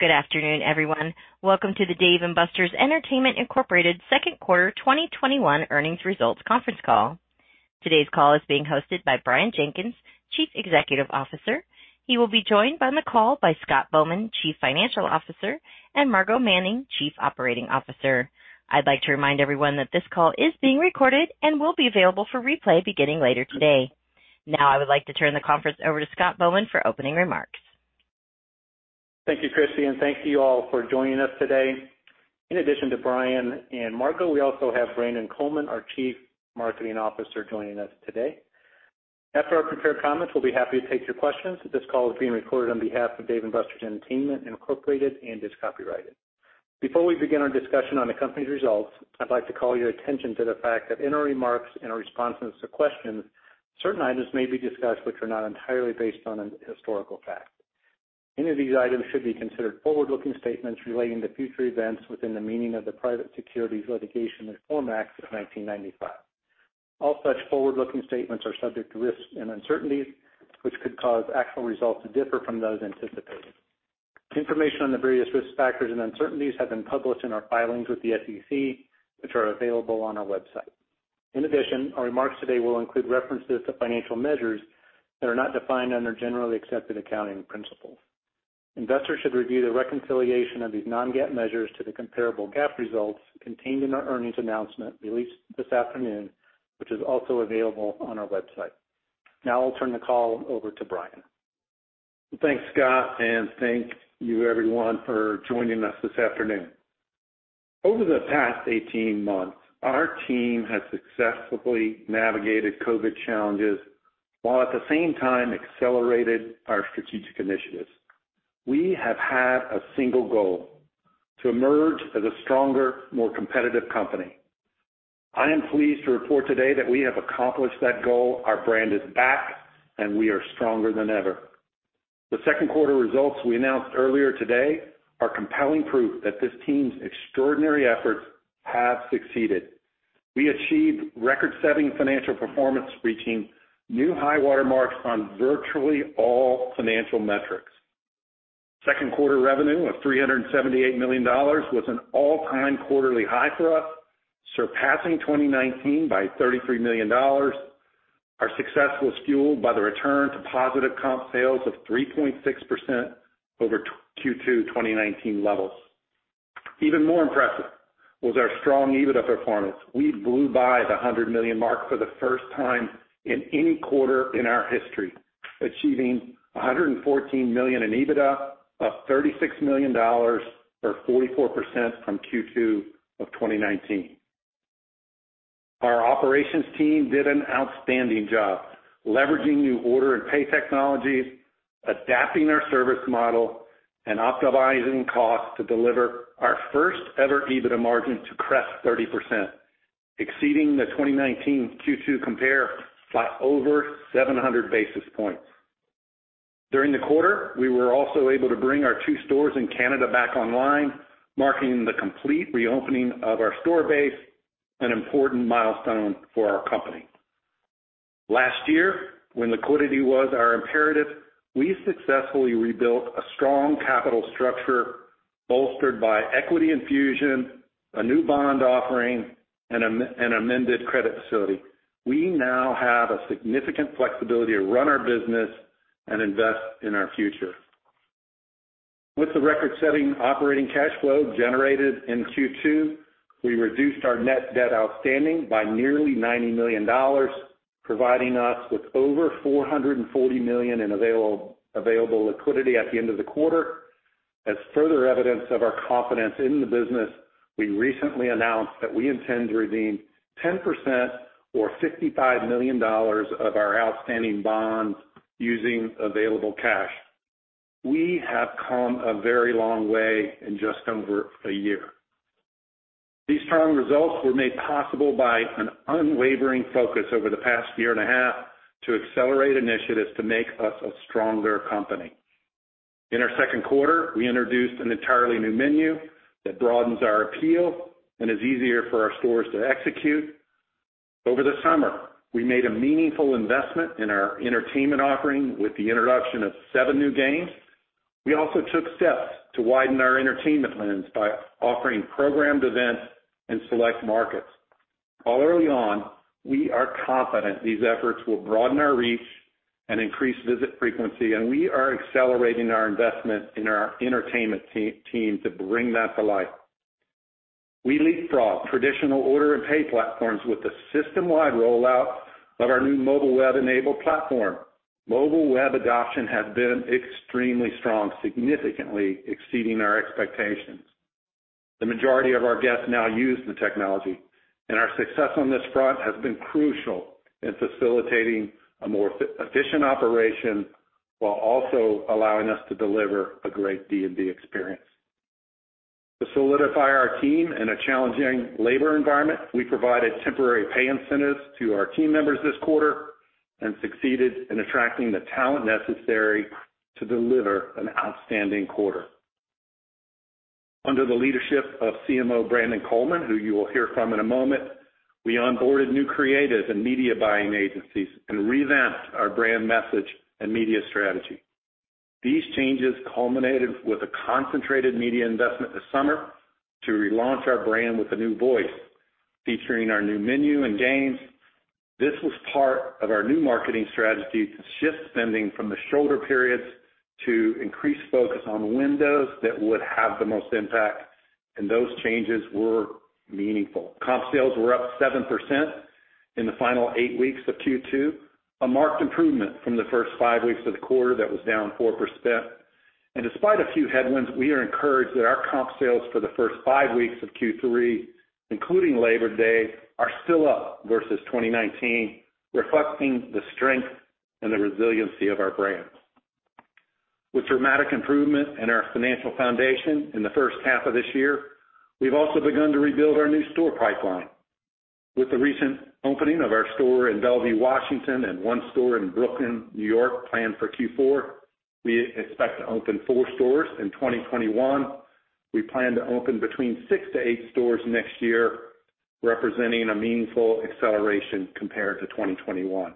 Good afternoon, everyone. Welcome to the Dave & Buster's Entertainment, Inc. second quarter 2021 earnings results conference call. Today's call is being hosted by Brian Jenkins, Chief Executive Officer. He will be joined by on the call by Scott Bowman, Chief Financial Officer, and Margo Manning, Chief Operating Officer. I'd like to remind everyone that this call is being recorded and will be available for replay beginning later today. Now I would like to turn the conference over to Scott Bowman for opening remarks. Thank you, Christy, and thank you all for joining us today. In addition to Brian and Margo, we also have Brandon Coleman, our Chief Marketing Officer, joining us today. After our prepared comments, we will be happy to take your questions. This call is being recorded on behalf of Dave & Buster's Entertainment Incorporated and is copyrighted. Before we begin our discussion on the company's results, I would like to call your attention to the fact that in our remarks and our responses to questions, certain items may be discussed which are not entirely based on a historical fact. Any of these items should be considered forward-looking statements relating to future events within the meaning of the Private Securities Litigation Reform Act of 1995. All such forward-looking statements are subject to risks and uncertainties, which could cause actual results to differ from those anticipated. Information on the various risk factors and uncertainties have been published in our filings with the SEC, which are available on our website. In addition, our remarks today will include references to financial measures that are not defined under Generally Accepted Accounting Principles. Investors should review the reconciliation of these non-GAAP measures to the comparable GAAP results contained in our earnings announcement released this afternoon, which is also available on our website. I'll turn the call over to Brian. Thanks, Scott, and thank you everyone for joining us this afternoon. Over the past 18 months, our team has successfully navigated COVID challenges while at the same time accelerated our strategic initiatives. We have had a single goal: to emerge as a stronger, more competitive company. I am pleased to report today that we have accomplished that goal. Our brand is back, and we are stronger than ever. The second quarter results we announced earlier today are compelling proof that this team's extraordinary efforts have succeeded. We achieved record-setting financial performance, reaching new high water marks on virtually all financial metrics. Second quarter revenue of $378 million was an all-time quarterly high for us, surpassing 2019 by $33 million. Our success was fueled by the return to positive comp sales of 3.6% over Q2 2019 levels. Even more impressive was our strong EBITDA performance. We blew by the $100 million mark for the first time in any quarter in our history, achieving $114 million in EBITDA, up $36 million, or 44% from Q2 of 2019. Our operations team did an outstanding job leveraging new order and pay technologies, adapting our service model, and optimizing costs to deliver our first ever EBITDA margin to crest 30%, exceeding the 2019 Q2 compare by over 700 basis points. During the quarter, we were also able to bring our two stores in Canada back online, marking the complete reopening of our store base, an important milestone for our company. Last year, when liquidity was our imperative, we successfully rebuilt a strong capital structure bolstered by equity infusion, a new bond offering, and an amended credit facility. We now have significant flexibility to run our business and invest in our future. With the record-setting operating cash flow generated in Q2, we reduced our net debt outstanding by nearly $90 million, providing us with over $440 million in available liquidity at the end of the quarter. As further evidence of our confidence in the business, we recently announced that we intend to redeem 10%, or $55 million of our outstanding bonds using available cash. We have come a very long way in just over a year. These strong results were made possible by an unwavering focus over the past year and a half to accelerate initiatives to make us a stronger company. In our second quarter, we introduced an entirely new menu that broadens our appeal and is easier for our stores to execute. Over the summer, we made a meaningful investment in our entertainment offering with the introduction of seven new games. We also took steps to widen our entertainment lens by offering programmed events in select markets. Early on, we are confident these efforts will broaden our reach and increase visit frequency. We are accelerating our investment in our entertainment team to bring that to life. We leapfrogged traditional order and pay platforms with the system-wide rollout of our new mobile web-enabled platform. Mobile web adoption has been extremely strong, significantly exceeding our expectations. The majority of our guests now use the technology. Our success on this front has been crucial in facilitating a more efficient operation while also allowing us to deliver a great D&B experience. To solidify our team in a challenging labor environment, we provided temporary pay incentives to our team members this quarter and succeeded in attracting the talent necessary to deliver an outstanding quarter. Under the leadership of CMO Brandon Coleman, who you will hear from in a moment, we onboarded new creatives and media buying agencies and revamped our brand message and media strategy. These changes culminated with a concentrated media investment this summer to relaunch our brand with a new voice, featuring our new menu and games. This was part of our new marketing strategy to shift spending from the shoulder periods to increased focus on windows that would have the most impact, and those changes were meaningful. Comp sales were up 7% in the final eight weeks of Q2, a marked improvement from the first five weeks of the quarter that was down 4%. Despite a few headwinds, we are encouraged that our comp sales for the first five weeks of Q3, including Labor Day, are still up versus 2019, reflecting the strength and the resiliency of our brands. With dramatic improvement in our financial foundation in the first half of this year, we've also begun to rebuild our new store pipeline. With the recent opening of our store in Bellevue, Washington, and one store in Brooklyn, New York planned for Q4, we expect to open four stores in 2021. We plan to open between six to eight stores next year, representing a meaningful acceleration compared to 2021.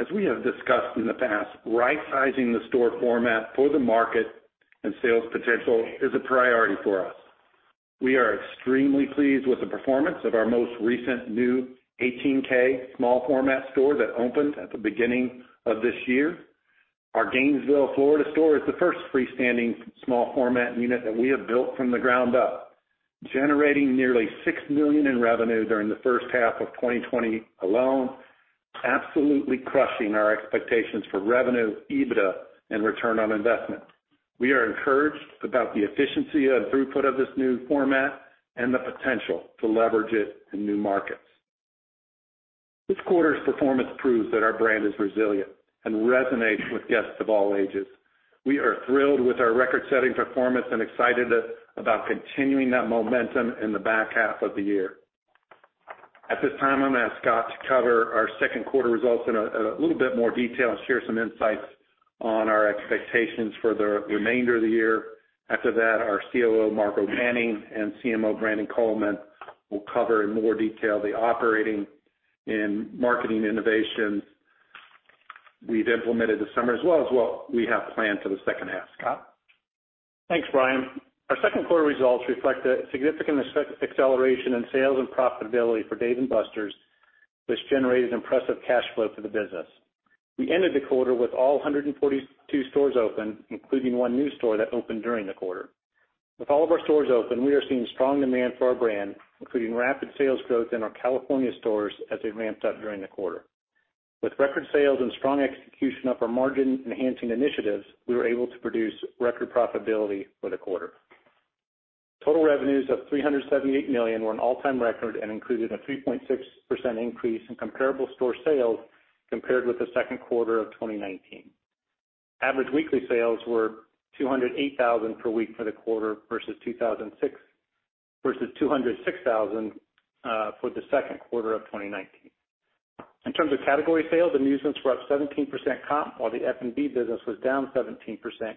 As we have discussed in the past, right-sizing the store format for the market and sales potential is a priority for us. We are extremely pleased with the performance of our most recent new 18K small format store that opened at the beginning of this year. Our Gainesville, Florida store is the first freestanding small format unit that we have built from the ground up, generating nearly $6 million in revenue during the first half of 2020 alone, absolutely crushing our expectations for revenue, EBITDA, and return on investment. We are encouraged about the efficiency and throughput of this new format and the potential to leverage it in new markets. This quarter's performance proves that our brand is resilient and resonates with guests of all ages. We are thrilled with our record-setting performance and excited about continuing that momentum in the back half of the year. At this time, I'm going to ask Scott to cover our second quarter results in a little bit more detail and share some insights on our expectations for the remainder of the year. After that, our COO, Margo Manning, and CMO, Brandon Coleman, will cover in more detail the operating and marketing innovations we've implemented this summer, as well as what we have planned for the second half. Scott? Thanks, Brian. Our second quarter results reflect a significant acceleration in sales and profitability for Dave & Buster's, which generated impressive cash flow for the business. We ended the quarter with all 142 stores open, including one new store that opened during the quarter. With all of our stores open, we are seeing strong demand for our brand, including rapid sales growth in our California stores as they ramped up during the quarter. With record sales and strong execution of our margin-enhancing initiatives, we were able to produce record profitability for the quarter. Total revenues of $378 million were an all-time record and included a 3.6% increase in comparable store sales compared with the second quarter of 2019. Average weekly sales were $208,000 per week for the quarter versus $206,000 for the second quarter of 2019. In terms of category sales, amusements were up 17% comp, while the F&B business was down 17%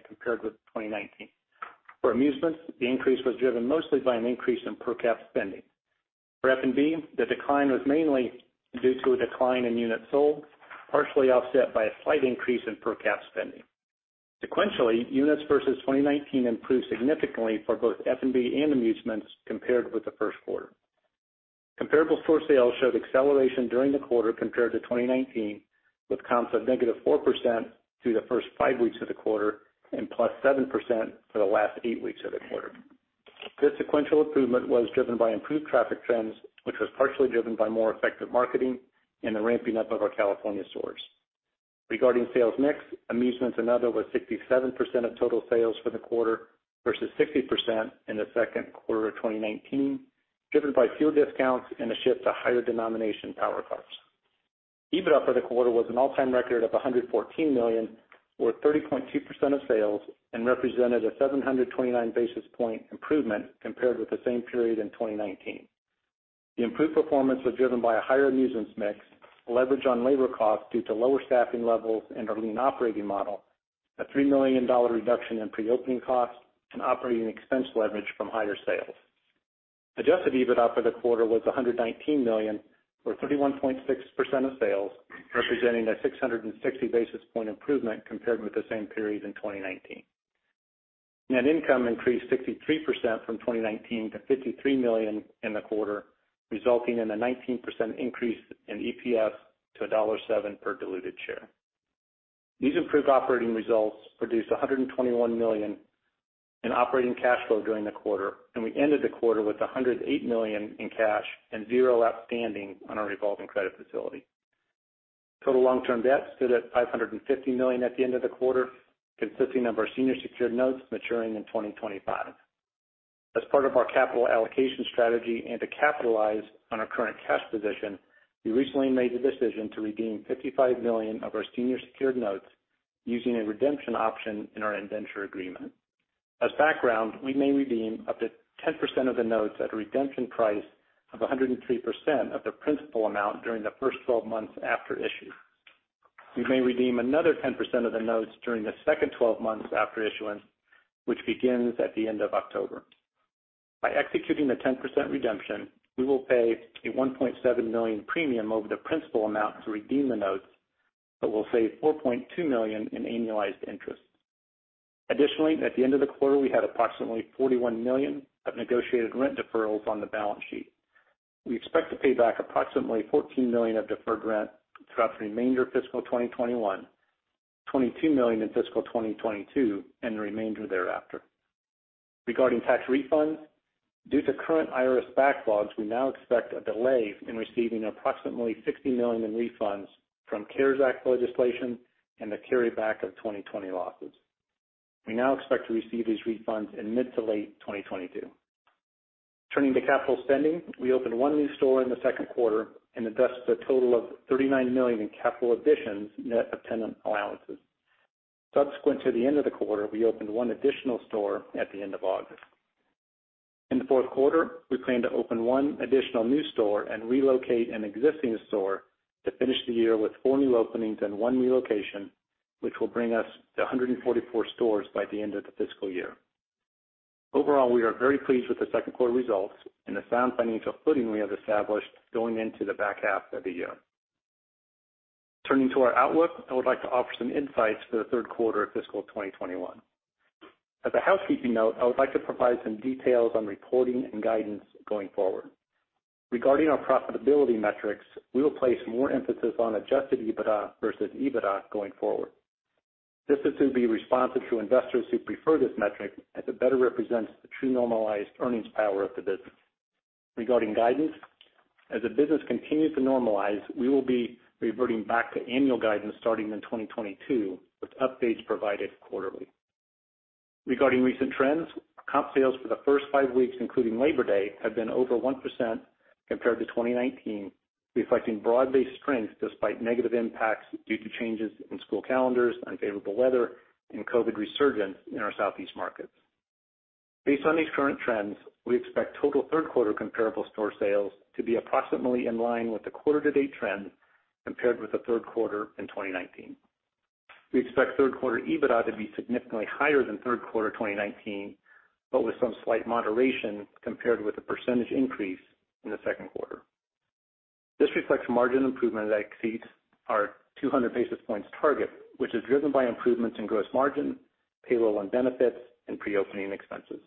compared with 2019. For amusements, the increase was driven mostly by an increase in per cap spending. For F&B, the decline was mainly due to a decline in units sold, partially offset by a slight increase in per cap spending. Sequentially, units versus 2019 improved significantly for both F&B and amusements compared with the first quarter. Comparable store sales showed acceleration during the quarter compared to 2019, with comps of -4% through the first five weeks of the quarter and plus 7% for the last eight weeks of the quarter. This sequential improvement was driven by improved traffic trends, which was partially driven by more effective marketing and the ramping up of our California stores. Regarding sales mix, amusements and other was 67% of total sales for the quarter versus 60% in the second quarter of 2019, driven by fewer discounts and a shift to higher denomination Power Cards. EBITDA for the quarter was an all-time record of $114 million, or 30.2% of sales, and represented a 729 basis point improvement compared with the same period in 2019. The improved performance was driven by a higher amusements mix, leverage on labor costs due to lower staffing levels and our lean operating model, a $3 million reduction in preopening costs, and operating expense leverage from higher sales. Adjusted EBITDA for the quarter was $119 million, or 31.6% of sales, representing a 660 basis point improvement compared with the same period in 2019. Net income increased 63% from 2019 to $53 million in the quarter, resulting in a 19% increase in EPS to $1.7 per diluted share. These improved operating results produced $121 million in operating cash flow during the quarter, and we ended the quarter with $108 million in cash and zero outstanding on our revolving credit facility. Total long-term debts stood at $550 million at the end of the quarter, consisting of our senior secured notes maturing in 2025. As part of our capital allocation strategy and to capitalize on our current cash position, we recently made the decision to redeem $55 million of our senior secured notes using a redemption option in our indenture agreement. As background, we may redeem up to 10% of the notes at a redemption price of 103% of the principal amount during the first 12 months after issue. We may redeem another 10% of the notes during the second 12 months after issuance, which begins at the end of October. By executing the 10% redemption, we will pay a $1.7 million premium over the principal amount to redeem the notes, but will save $4.2 million in annualized interest. Additionally, at the end of the quarter, we had approximately $41 million of negotiated rent deferrals on the balance sheet. We expect to pay back approximately $14 million of deferred rent throughout the remainder of fiscal 2021, $22 million in fiscal 2022, and the remainder thereafter. Regarding tax refunds, due to current IRS backlogs, we now expect a delay in receiving approximately $60 million in refunds from CARES Act legislation and the carryback of 2020 losses. We now expect to receive these refunds in mid to late 2022. Turning to capital spending, we opened one new store in the second quarter and invested a total of $39 million in capital additions net of tenant allowances. Subsequent to the end of the quarter, we opened one additional store at the end of August. In the fourth quarter, we plan to open one additional new store and relocate an existing store to finish the year with four new openings and one relocation, which will bring us to 144 stores by the end of the fiscal year. Overall, we are very pleased with the second quarter results and the sound financial footing we have established going into the back half of the year. Turning to our outlook, I would like to offer some insights for the third quarter of fiscal 2021. As a housekeeping note, I would like to provide some details on reporting and guidance going forward. Regarding our profitability metrics, we will place more emphasis on adjusted EBITDA versus EBITDA going forward. This is to be responsive to investors who prefer this metric, as it better represents the true normalized earnings power of the business. Regarding guidance, as the business continues to normalize, we will be reverting back to annual guidance starting in 2022, with updates provided quarterly. Regarding recent trends, comp sales for the first five weeks, including Labor Day, have been over 1% compared to 2019, reflecting broad-based strength despite negative impacts due to changes in school calendars, unfavorable weather, and COVID resurgence in our Southeast markets. Based on these current trends, we expect total third quarter comparable store sales to be approximately in line with the quarter to date trend compared with the third quarter in 2019. We expect third quarter EBITDA to be significantly higher than third quarter 2019, but with some slight moderation compared with the percentage increase in the second quarter. This reflects margin improvement that exceeds our 200 basis points target, which is driven by improvements in gross margin, payroll and benefits, and pre-opening expenses.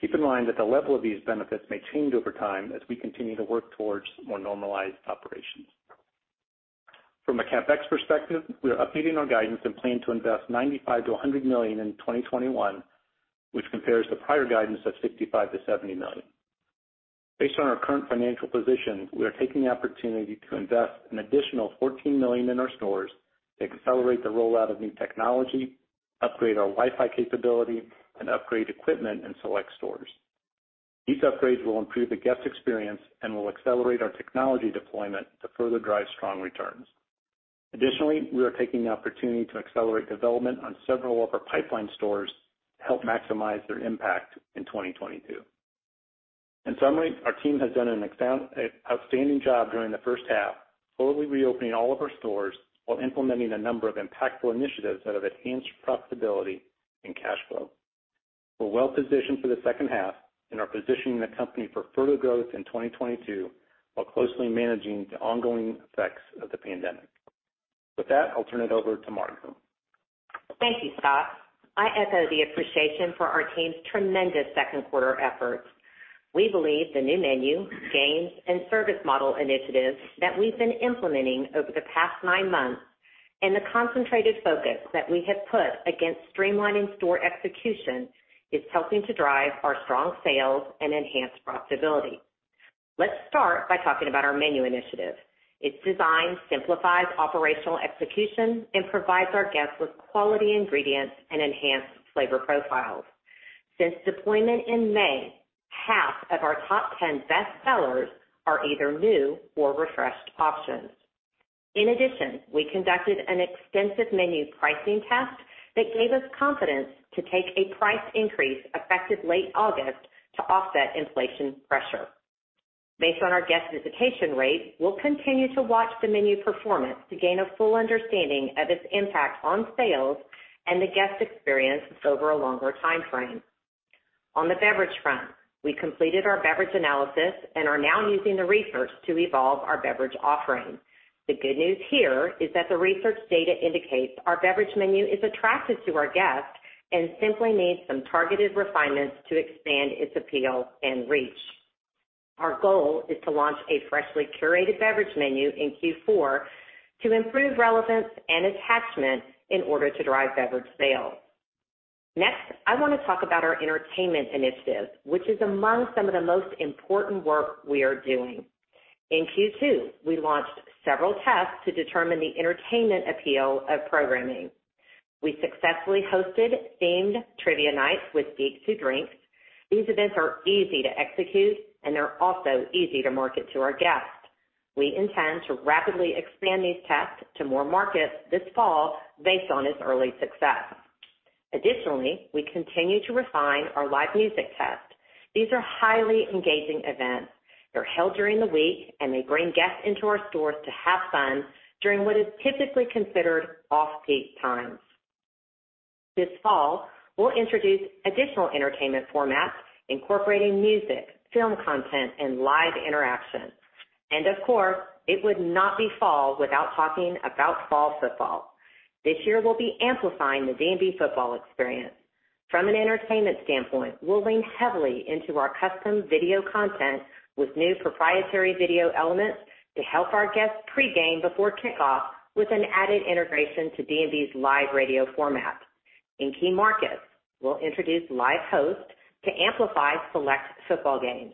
Keep in mind that the level of these benefits may change over time as we continue to work towards more normalized operations. From a CapEx perspective, we are updating our guidance and plan to invest $95 million-$100 million in 2021, which compares to prior guidance of $65 million-$70 million. Based on our current financial position, we are taking the opportunity to invest an additional $14 million in our stores to accelerate the rollout of new technology, upgrade our Wi-Fi capability, and upgrade equipment in select stores. These upgrades will improve the guest experience and will accelerate our technology deployment to further drive strong returns. Additionally, we are taking the opportunity to accelerate development on several of our pipeline stores to help maximize their impact in 2022. In summary, our team has done an outstanding job during the first half, fully reopening all of our stores while implementing a number of impactful initiatives that have enhanced profitability and cash flow. We're well positioned for the second half and are positioning the company for further growth in 2022 while closely managing the ongoing effects of the pandemic. With that, I'll turn it over to Margo. Thank you, Scott. I echo the appreciation for our team's tremendous second quarter efforts. We believe the new menu, games, and service model initiatives that we've been implementing over the past nine months, and the concentrated focus that we have put against streamlining store execution, is helping to drive our strong sales and enhance profitability. Let's start by talking about our menu initiative. Its design simplifies operational execution and provides our guests with quality ingredients and enhanced flavor profiles. Since deployment in May, half of our top 10 best sellers are either new or refreshed options. In addition, we conducted an extensive menu pricing test that gave us confidence to take a price increase effective late August to offset inflation pressure. Based on our guest visitation rate, we'll continue to watch the menu performance to gain a full understanding of its impact on sales and the guest experience over a longer time frame. On the beverage front, we completed our beverage analysis and are now using the research to evolve our beverage offering. The good news here is that the research data indicates our beverage menu is attractive to our guests and simply needs some targeted refinements to expand its appeal and reach. Our goal is to launch a freshly curated beverage menu in Q4 to improve relevance and attachment in order to drive beverage sales. Next, I want to talk about our entertainment initiative, which is among some of the most important work we are doing. In Q2, we launched several tests to determine the entertainment appeal of programming. We successfully hosted themed trivia nights with Geeks Who Drink. These events are easy to execute, and they're also easy to market to our guests. We intend to rapidly expand these tests to more markets this fall based on its early success. Additionally, we continue to refine our live music test. These are highly engaging events. They're held during the week, and they bring guests into our stores to have fun during what is typically considered off-peak times. This fall, we'll introduce additional entertainment formats incorporating music, film content, and live interaction. Of course, it would not be fall without talking about fall football. This year we'll be amplifying the D&B football experience. From an entertainment standpoint, we'll lean heavily into our custom video content with new proprietary video elements to help our guests pre-game before kickoff with an added integration to D&B's live radio format. In key markets, we'll introduce live hosts to amplify select football games.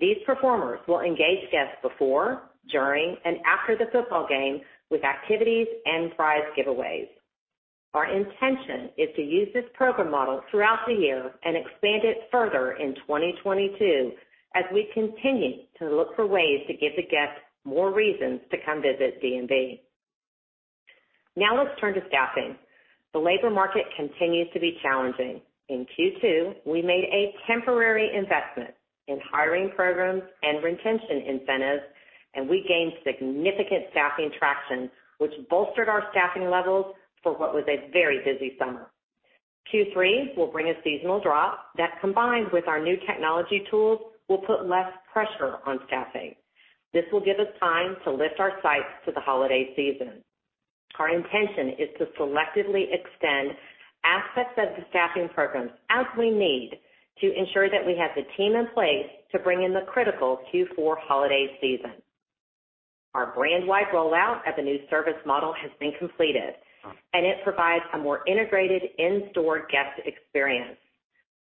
These performers will engage guests before, during, and after the football game with activities and prize giveaways. Our intention is to use this program model throughout the year and expand it further in 2022 as we continue to look for ways to give the guests more reasons to come visit D&B. Now let's turn to staffing. The labor market continues to be challenging. In Q2, we made a temporary investment in hiring programs and retention incentives, and we gained significant staffing traction, which bolstered our staffing levels for what was a very busy summer. Q3 will bring a seasonal drop that, combined with our new technology tools, will put less pressure on staffing. This will give us time to lift our sights to the holiday season. Our intention is to selectively extend aspects of the staffing programs as we need to ensure that we have the team in place to bring in the critical Q4 holiday season. Our brand-wide rollout of the new service model has been completed. It provides a more integrated in-store guest experience.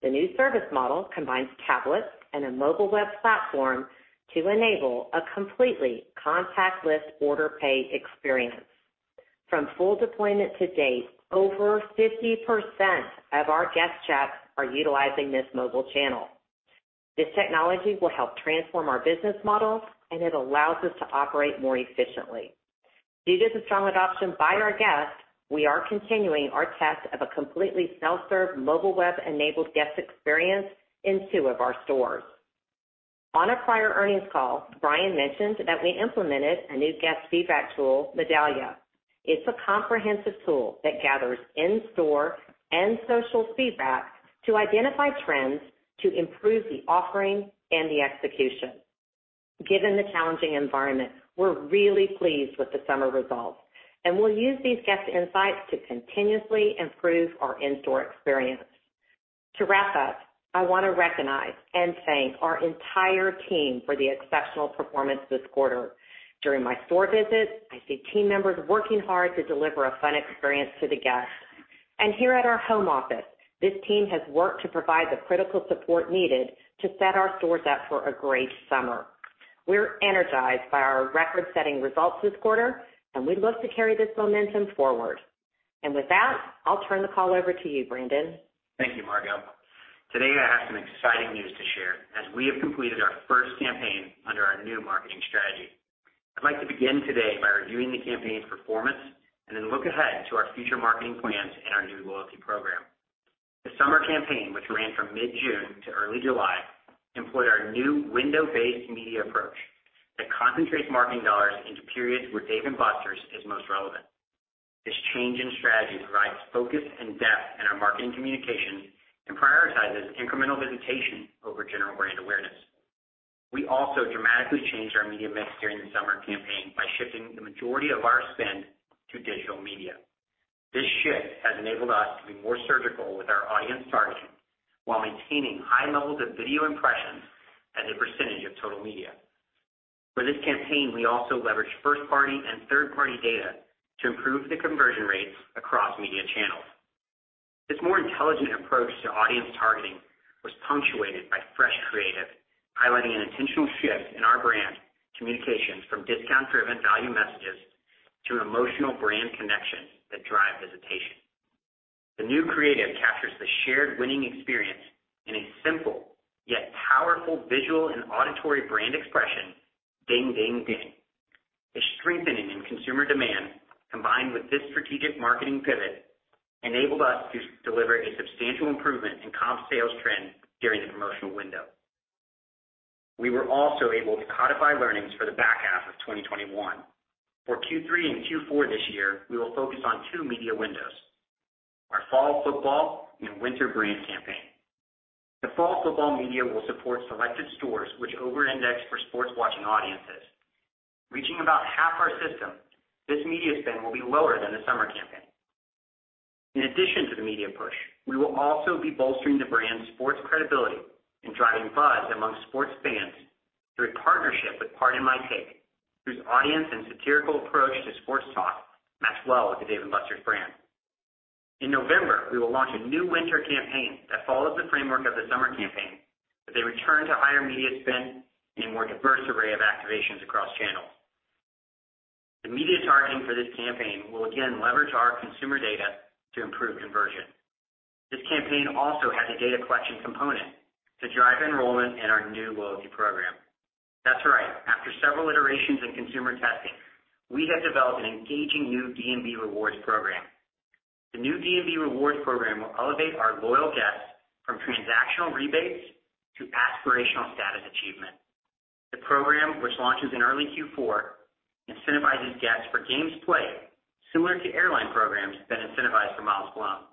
The new service model combines tablets and a mobile web platform to enable a completely contactless order pay experience. From full deployment to date, over 50% of our guest checks are utilizing this mobile channel. This technology will help transform our business model. It allows us to operate more efficiently. Due to the strong adoption by our guests, we are continuing our test of a completely self-serve mobile web-enabled guest experience in two of our stores. On a prior earnings call, Brian mentioned that we implemented a new guest feedback tool, Medallia. It's a comprehensive tool that gathers in-store and social feedback to identify trends to improve the offering and the execution. Given the challenging environment, we're really pleased with the summer results, and we'll use these guest insights to continuously improve our in-store experience. To wrap up, I want to recognize and thank our entire team for the exceptional performance this quarter. During my store visits, I see team members working hard to deliver a fun experience to the guests. Here at our home office, this team has worked to provide the critical support needed to set our stores up for a great summer. We're energized by our record-setting results this quarter, and we'd love to carry this momentum forward. With that, I'll turn the call over to you, Brandon. Thank you, Margo. Today, I have some exciting news to share as we have completed our first campaign under our new marketing strategy. I'd like to begin today by reviewing the campaign's performance and then look ahead to our future marketing plans and our new loyalty program. The summer campaign, which ran from mid-June to early July, employed our new window-based media approach that concentrates marketing dollars into periods where Dave & Buster's is most relevant. This change in strategy provides focus and depth in our marketing communications and prioritizes incremental visitation over general brand awareness. We also dramatically changed our media mix during the summer campaign by shifting the majority of our spend to digital media. This shift has enabled us to be more surgical with our audience targeting while maintaining high levels of video impressions as a percentage of total media. For this campaign, we also leveraged first-party and third-party data to improve the conversion rates across media channels. This more intelligent approach to audience targeting was punctuated by fresh creative, highlighting an intentional shift in our brand communications from discount-driven value messages to emotional brand connections that drive visitation. The new creative captures the shared winning experience in a simple yet powerful visual and auditory brand expression, ding, ding. The strengthening in consumer demand, combined with this strategic marketing pivot, enabled us to deliver a substantial improvement in comp sales trend during the promotional window. We were also able to codify learnings for the back half of 2021. For Q3 and Q4 this year, we will focus on two media windows, our fall football and winter brands campaign. The fall football media will support selected stores which over-index for sports watching audiences. Reaching about half our system, this media spend will be lower than the summer campaign. In addition to the media push, we will also be bolstering the brand's sports credibility and driving buzz among sports fans through partnership with Pardon My Take, whose audience and satirical approach to sports talk match well with the Dave & Buster's brand. In November, we will launch a new winter campaign that follows the framework of the summer campaign with a return to higher media spend and a more diverse array of activations across channels. The media targeting for this campaign will again leverage our consumer data to improve conversion. This campaign also has a data collection component to drive enrollment in our new loyalty program. That's right. After several iterations in consumer testing, we have developed an engaging new D&B Rewards program. The new D&B Rewards program will elevate our loyal guests from transactional rebates to aspirational status achievement. The program, which launches in early Q4, incentivizes guests for games played, similar to airline programs that incentivize for miles flown.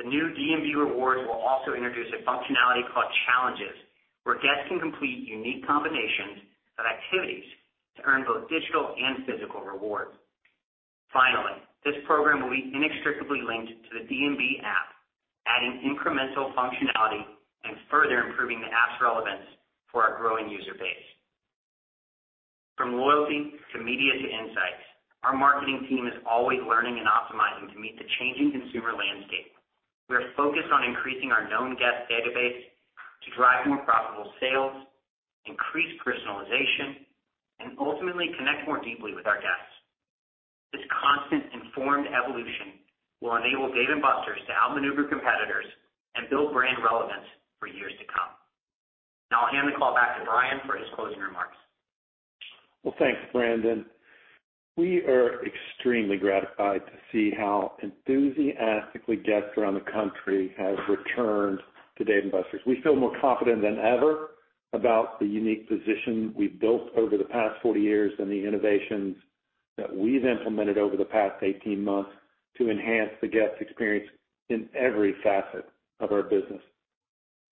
The new D&B Rewards will also introduce a functionality called Challenges, where guests can complete unique combinations of activities to earn both digital and physical rewards. Finally, this program will be inextricably linked to the D&B app, adding incremental functionality and further improving the app's relevance for our growing user base. From loyalty to media to insights, our marketing team is always learning and optimizing to meet the changing consumer landscape. We are focused on increasing our known guest database to drive more profitable sales, increase personalization, and ultimately connect more deeply with our guests. This constant informed evolution will enable Dave & Buster's to outmaneuver competitors and build brand relevance for years to come. Now I'll hand the call back to Brian for his closing remarks. Well, thanks, Brandon. We are extremely gratified to see how enthusiastically guests around the country have returned to Dave & Buster's. We feel more confident than ever about the unique position we've built over the past 40 years and the innovations that we've implemented over the past 18 months to enhance the guest experience in every facet of our business.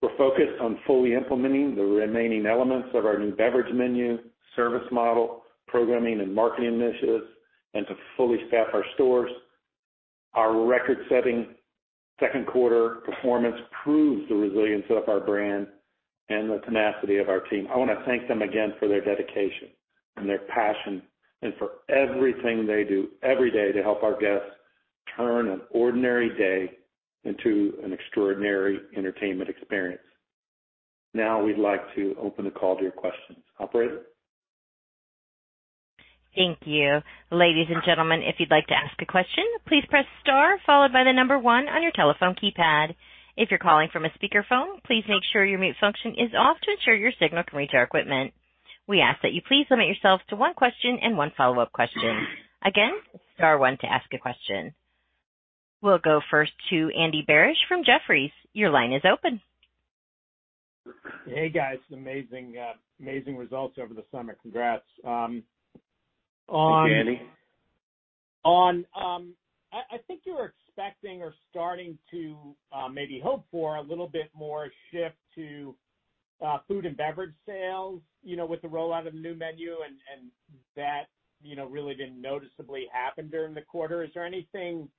We're focused on fully implementing the remaining elements of our new beverage menu, service model, programming and marketing initiatives, and to fully staff our stores. Our record-setting second quarter performance proves the resilience of our brand and the tenacity of our team. I want to thank them again for their dedication and their passion and for everything they do every day to help our guests turn an ordinary day into an extraordinary entertainment experience. Now we'd like to open the call to your questions. Operator? Thank you. Ladies and gentlemen, if you'd like to ask a question, please press star followed by the number one on your telephone keypad. If you're calling from a speakerphone, please make sure your mute function is off to ensure your signal can reach our equipment. We ask that you please limit yourself to one question and one follow-up question. Again, star one to ask a question. We'll go first to Andy Barish from Jefferies. Your line is open. Hey, guys. Amazing results over the summer. Congrats. Thanks, Andy. I think you were expecting or starting to maybe hope for a little bit more shift to food and beverage sales with the rollout of the new menu and that really didn't noticeably happen during the quarter. Is there anything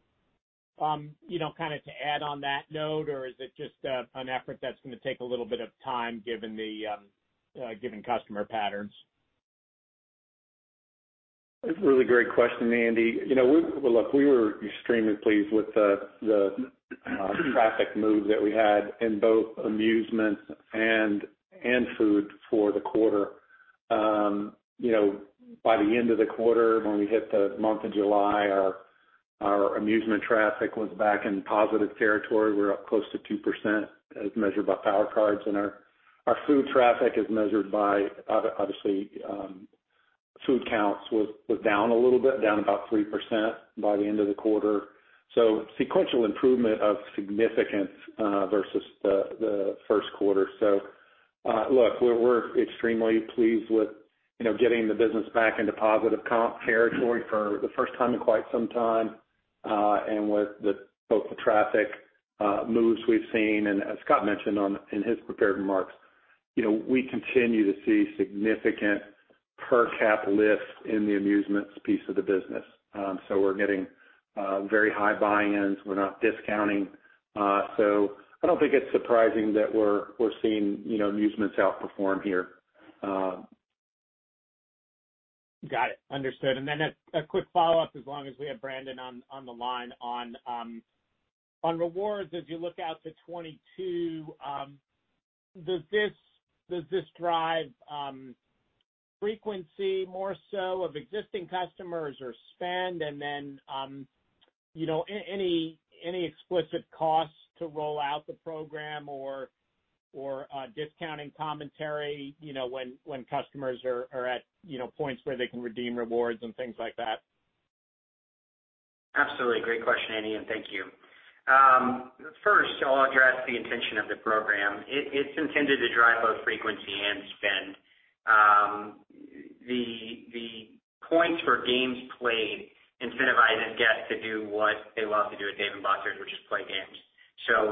to add on that note, or is it just an effort that's going to take a little bit of time given customer patterns? That's a really great question, Andy. Look, we were extremely pleased with the traffic move that we had in both amusement and food for the quarter. By the end of the quarter, when we hit the month of July, our amusement traffic was back in positive territory. We're up close to 2% as measured by Power Cards, and our food traffic as measured by, obviously, food counts, was down a little bit, down about 3% by the end of the quarter. Sequential improvement of significance versus the first quarter. Look, we're extremely pleased with getting the business back into positive comp territory for the first time in quite some time, and with both the traffic moves we've seen and as Scott mentioned in his prepared remarks, we continue to see significant per cap lift in the amusements piece of the business. We're getting very high buy-ins. We're not discounting. I don't think it's surprising that we're seeing amusements outperform here. Got it. Understood. A quick follow-up as long as we have Brandon on the line. On rewards, as you look out to 2022, does this drive frequency more so of existing customers or spend? Any explicit costs to roll out the program or discounting commentary when customers are at points where they can redeem rewards and things like that? Absolutely. Great question, Andy, and thank you. First, I'll address the intention of the program. It's intended to drive both frequency and spend. The points for games played incentivize a guest to do what they love to do at Dave & Buster's, which is play games.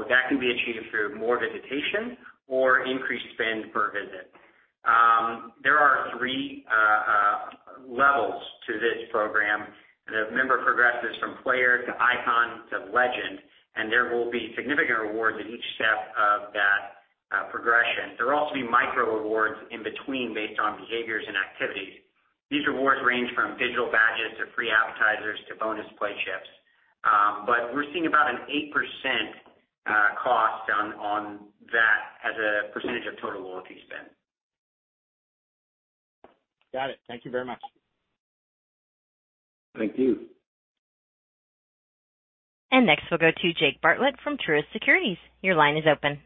That can be achieved through more visitation or increased spend per visit. There are three levels to this program. The member progresses from player to icon to legend, and there will be significant rewards at each step of that progression. There will also be micro rewards in between based on behaviors and activities. These rewards range from digital badges to free appetizers to bonus play chips. We're seeing about an 8% cost on that as a percentage of total loyalty spend. Got it. Thank you very much. Thank you. Next we'll go to Jake Bartlett from Truist Securities. Your line is open.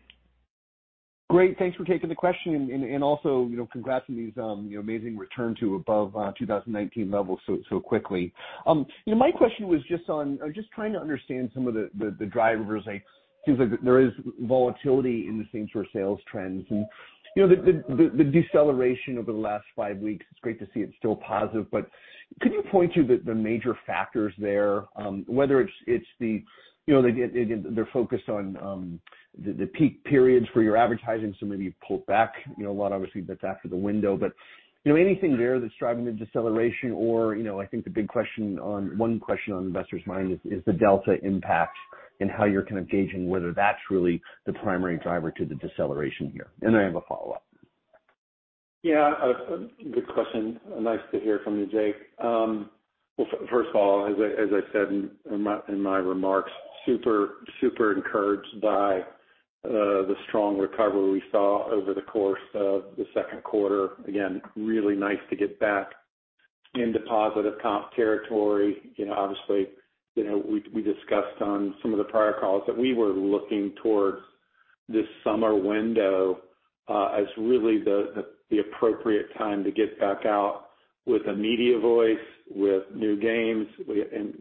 Great. Thanks for taking the question and also congratulations on the amazing return to above 2019 levels so quickly. My question was just on, I was just trying to understand some of the drivers. It seems like there is volatility in the same-store sales trends and the deceleration over the last five weeks. It's great to see it's still positive. Could you point to the major factors there? Whether it's they're focused on the peak periods for your advertising, so maybe you pulled back a lot. Obviously, that's after the window. Anything there that's driving the deceleration or I think the big question on, one question on investors' mind is the delta impact and how you're kind of gauging whether that's really the primary driver to the deceleration here. I have a follow-up. Yeah. Good question. Nice to hear from you, Jake. First of all, as I said in my remarks, super encouraged by the strong recovery we saw over the course of the second quarter. Really nice to get back into positive comp territory. We discussed on some of the prior calls that we were looking towards this summer window as really the appropriate time to get back out with a media voice, with new games,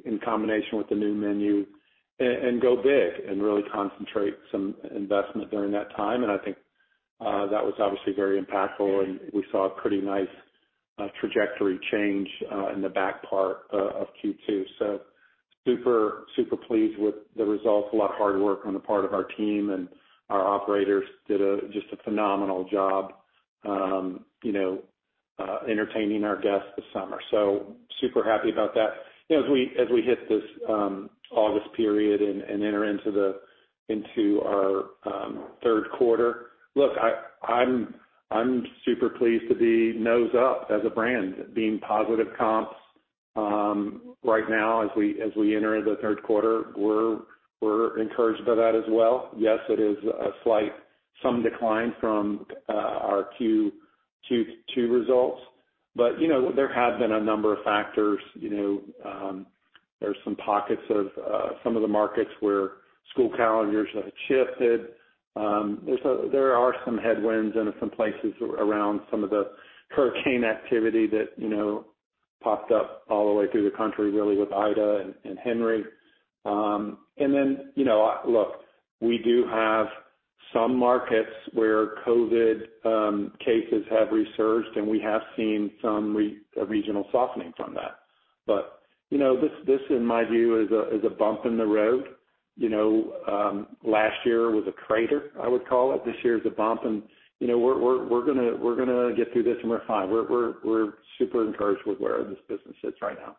in combination with the new menu, and go big and really concentrate some investment during that time. I think that was obviously very impactful, and we saw a pretty nice trajectory change in the back part of Q2. Super pleased with the results. A lot of hard work on the part of our team, and our operators did just a phenomenal job entertaining our guests this summer. Super happy about that. As we hit this August period and enter into our third quarter, look, I'm super pleased to be nose up as a brand, being positive comps right now as we enter the third quarter. We're encouraged by that as well. Yes, it is a slight, some decline from our Q2 results, but there have been a number of factors. There's some pockets of some of the markets where school calendars have shifted. There are some headwinds into some places around some of the hurricane activity that popped up all the way through the country, really with Ida and Henri. Then, look, we do have some markets where COVID cases have resurged, and we have seen some regional softening from that. This, in my view, is a bump in the road. Last year was a crater, I would call it. This year is a bump, and we're going to get through this, and we're fine. We're super encouraged with where this business sits right now.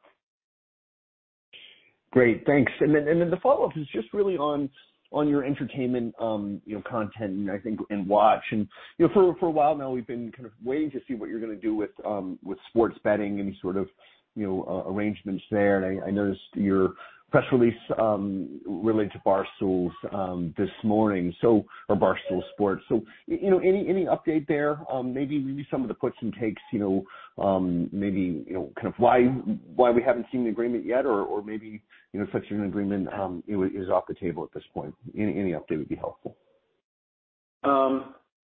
Great, thanks. The follow-up is just really on your entertainment content, and I think and watch. For a while now, we've been kind of waiting to see what you're going to do with sports betting, any sort of arrangements there. I noticed your press release related to Barstool this morning, or Barstool Sports. Any update there? Maybe some of the puts and takes, maybe, kind of why we haven't seen the agreement yet or maybe such an agreement is off the table at this point. Any update would be helpful.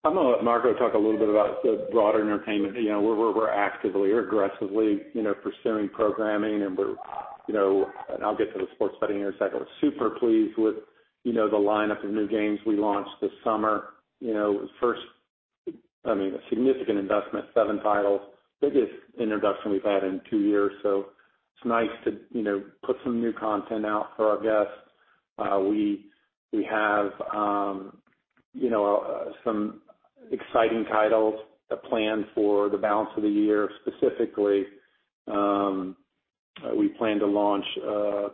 I'm going to let Margo talk a little bit about the broader entertainment. We're actively or aggressively pursuing programming and I'll get to the sports betting in a second. Super pleased with the lineup of new games we launched this summer. First, I mean, a significant investment, seven titles, biggest introduction we've had in two years. It's nice to put some new content out for our guests. We have some exciting titles planned for the balance of the year. Specifically, we plan to launch a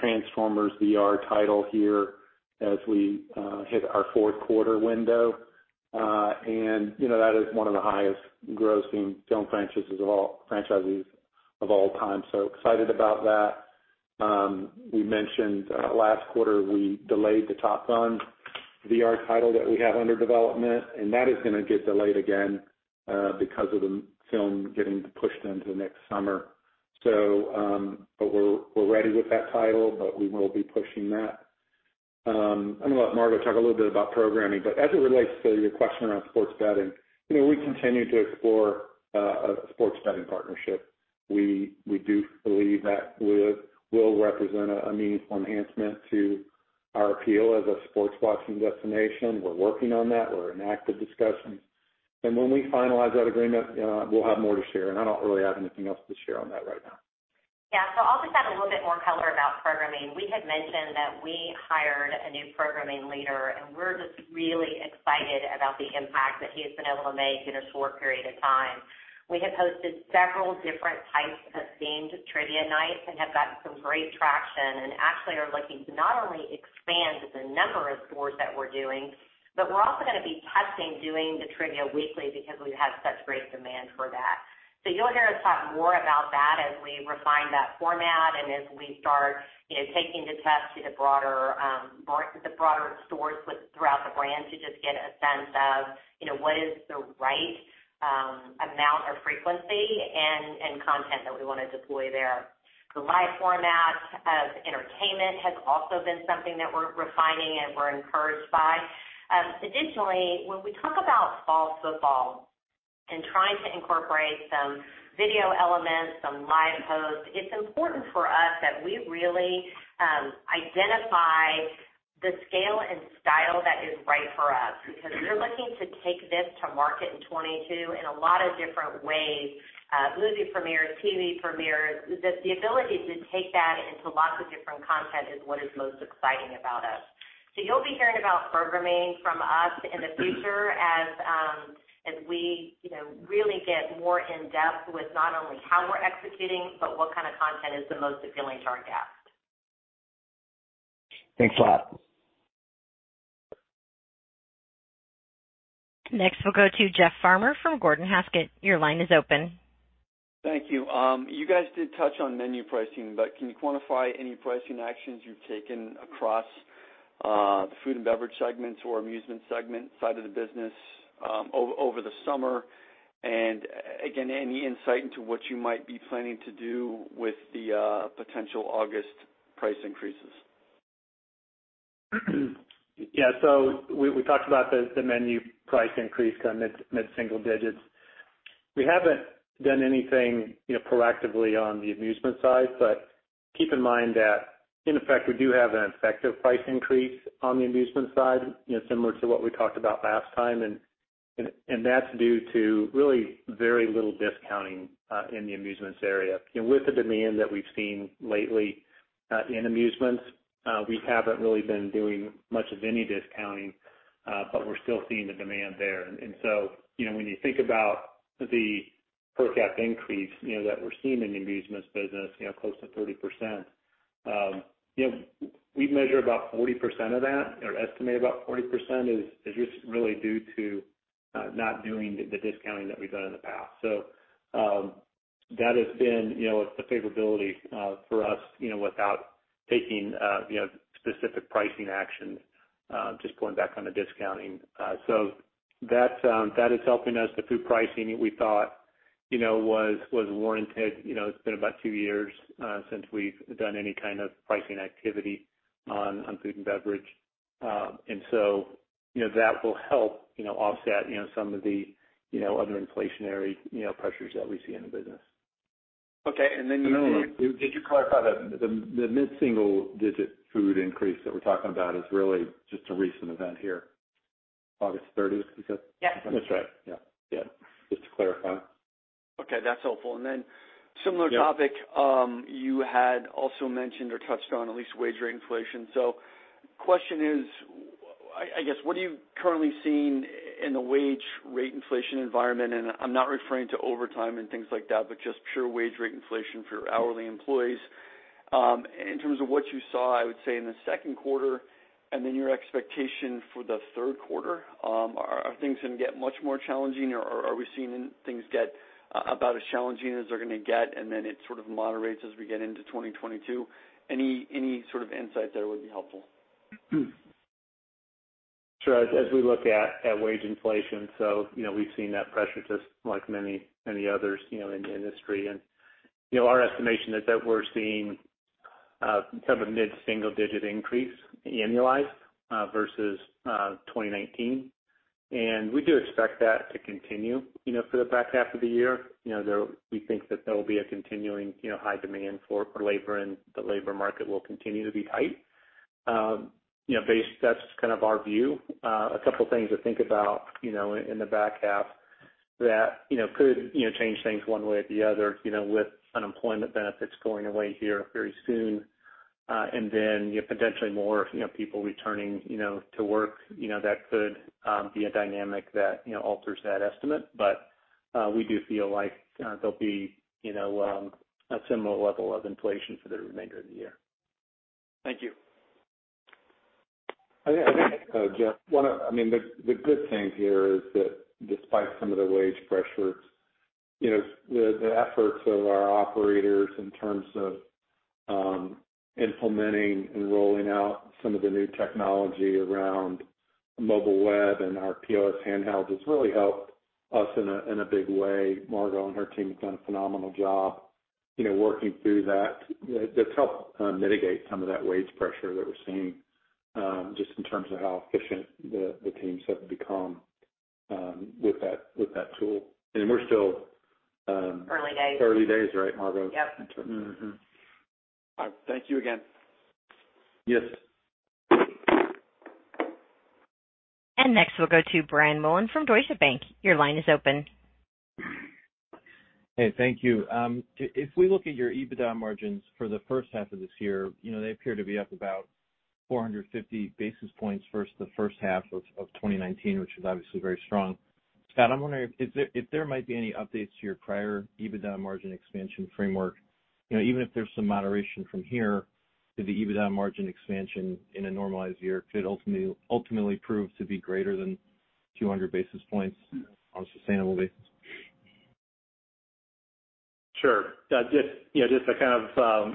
Transformers VR title here as we hit our fourth quarter window. That is one of the highest grossing film franchises of all time. Excited about that. We mentioned last quarter we delayed the Top Gun VR title that we have under development, and that is going to get delayed again because of the film getting pushed into next summer. We're ready with that title, but we will be pushing that. I'm going to let Margo talk a little bit about programming. As it relates to your question around sports betting, we continue to explore a sports betting partnership. We do believe that will represent a meaningful enhancement to our appeal as a sports watching destination. We're working on that. We're in active discussions. When we finalize that agreement, we'll have more to share, and I don't really have anything else to share on that right now. Yeah. I'll just add a little bit more color about programming. We had mentioned that we hired a new programming leader, and we're just really excited about the impact that he has been able to make in a short period of time. We have hosted several different types of themed trivia nights and have gotten some great traction and actually are looking to not only expand the number of tours that we're doing, but we're also going to be testing doing the trivia weekly because we've had such great demand for that. You'll hear us talk more about that as we refine that format and as we start taking the test to the broader stores throughout the brand to just get a sense of what is the right amount or frequency and content that we want to deploy there. The live format of entertainment has also been something that we're refining and we're encouraged by. Additionally, when we talk about fall football and trying to incorporate some video elements, some live hosts, it's important for us that we really identify the scale and style that is right for us, because we're looking to take this to market in 2022 in a lot of different ways, movie premieres, TV premieres. The ability to take that into lots of different content is what is most exciting about us. You'll be hearing about programming from us in the future as we really get more in-depth with not only how we're executing, but what kind of content is the most appealing to our guests. Thanks a lot. Next, we'll go to Jeff Farmer from Gordon Haskett. Your line is open. Thank you. You guys did touch on menu pricing, but can you quantify any pricing actions you've taken across the food and beverage segments or amusement segment side of the business over the summer? Again, any insight into what you might be planning to do with the potential August price increases? Yeah. We talked about the menu price increase, mid-single digits. We haven't done anything proactively on the amusement side, but keep in mind that in effect, we do have an effective price increase on the amusement side, similar to what we talked about last time, and that's due to really very little discounting in the amusements area. With the demand that we've seen lately in amusements, we haven't really been doing much of any discounting, but we're still seeing the demand there. When you think about the per cap increase that we're seeing in the amusements business, close to 30%, we measure about 40% of that, or estimate about 40% is just really due to not doing the discounting that we've done in the past. That has been a favorability for us without taking specific pricing action, just pulling back on the discounting. That is helping us. The food pricing we thought was warranted. It's been about two years since we've done any kind of pricing activity on food and beverage. That will help offset some of the other inflationary pressures that we see in the business. Okay. No, did you clarify that the mid-single digit food increase that we're talking about is really just a recent event here, August 30th, is that? Yes. That's right. Yeah. Yeah. Just to clarify. Okay, that's helpful. Similar topic. Yep. You had also mentioned or touched on at least wage rate inflation. Question is, what are you currently seeing in the wage rate inflation environment? I'm not referring to overtime and things like that, but just pure wage rate inflation for your hourly employees. In terms of what you saw, in the second quarter and then your expectation for the third quarter. Are things going to get much more challenging, or are we seeing things get about as challenging as they're going to get, and then it sort of moderates as we get into 2022? Any sort of insight there would be helpful. Sure. As we look at wage inflation, we've seen that pressure just like many others in the industry. Our estimation is that we're seeing kind of a mid-single digit increase annualized versus 2019. We do expect that to continue for the back half of the year. We think that there will be a continuing high demand for labor and the labor market will continue to be tight. That's kind of our view. A couple things to think about in the back half that could change things one way or the other, with unemployment benefits going away here very soon, and then potentially more people returning to work. That could be a dynamic that alters that estimate. We do feel like there'll be a similar level of inflation for the remainder of the year. Thank you. Jeff, the good thing here is that despite some of the wage pressures, the efforts of our operators in terms of implementing and rolling out some of the new technology around mobile web and our POS handheld has really helped us in a big way. Margo and her team have done a phenomenal job working through that. That's helped mitigate some of that wage pressure that we're seeing, just in terms of how efficient the teams have become with that tool. Early days. early days, right, Margo? Yep. In terms of All right. Thank you again. Yes. Next, we'll go to Brian Mullan from Deutsche Bank. Your line is open. Hey, thank you. If we look at your EBITDA margins for the first half of this year, they appear to be up about 450 basis points versus the first half of 2019, which is obviously very strong. Scott, I'm wondering if there might be any updates to your prior EBITDA margin expansion framework. Even if there's some moderation from here, could the EBITDA margin expansion in a normalized year ultimately prove to be greater than 200 basis points on a sustainable basis? Sure. Just to kind of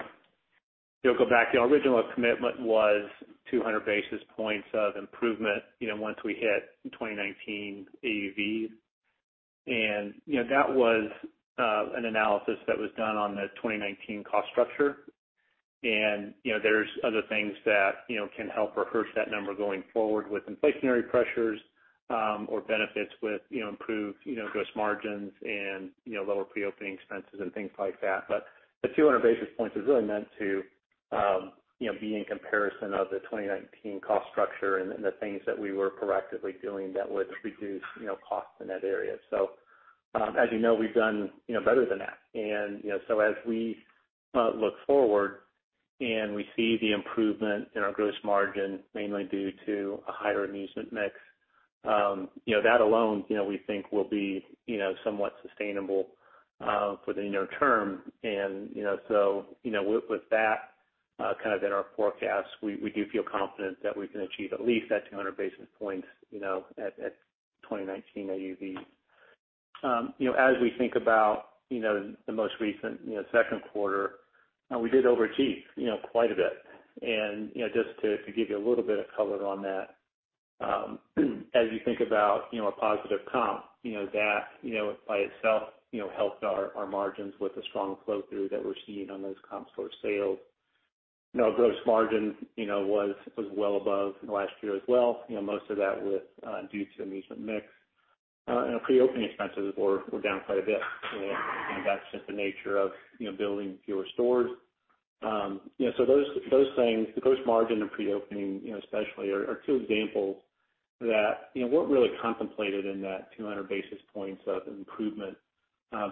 go back, the original commitment was 200 basis points of improvement once we hit 2019 AUV. That was an analysis that was done on the 2019 cost structure. There's other things that can help re-assess that number going forward with inflationary pressures or benefits with improved gross margins and lower pre-opening expenses and things like that. The 200 basis points is really meant to be in comparison of the 2019 cost structure and the things that we were proactively doing that would reduce costs in that area. As you know, we've done better than that. As we look forward and we see the improvement in our gross margin, mainly due to a higher amusement mix, that alone we think will be somewhat sustainable for the near term. With that kind of in our forecast, we do feel confident that we can achieve at least that 200 basis points at 2019 AUV. As we think about the most recent second quarter, we did overachieve quite a bit. Just to give you a little bit of color on that, as you think about a positive comp, that by itself helped our margins with the strong flow-through that we're seeing on those comp store sales. Gross margin was well above last year as well. Most of that was due to amusement mix. Pre-opening expenses were down quite a bit. That's just the nature of building fewer stores. Those things, the gross margin and pre-opening especially, are two examples that weren't really contemplated in that 200 basis points of improvement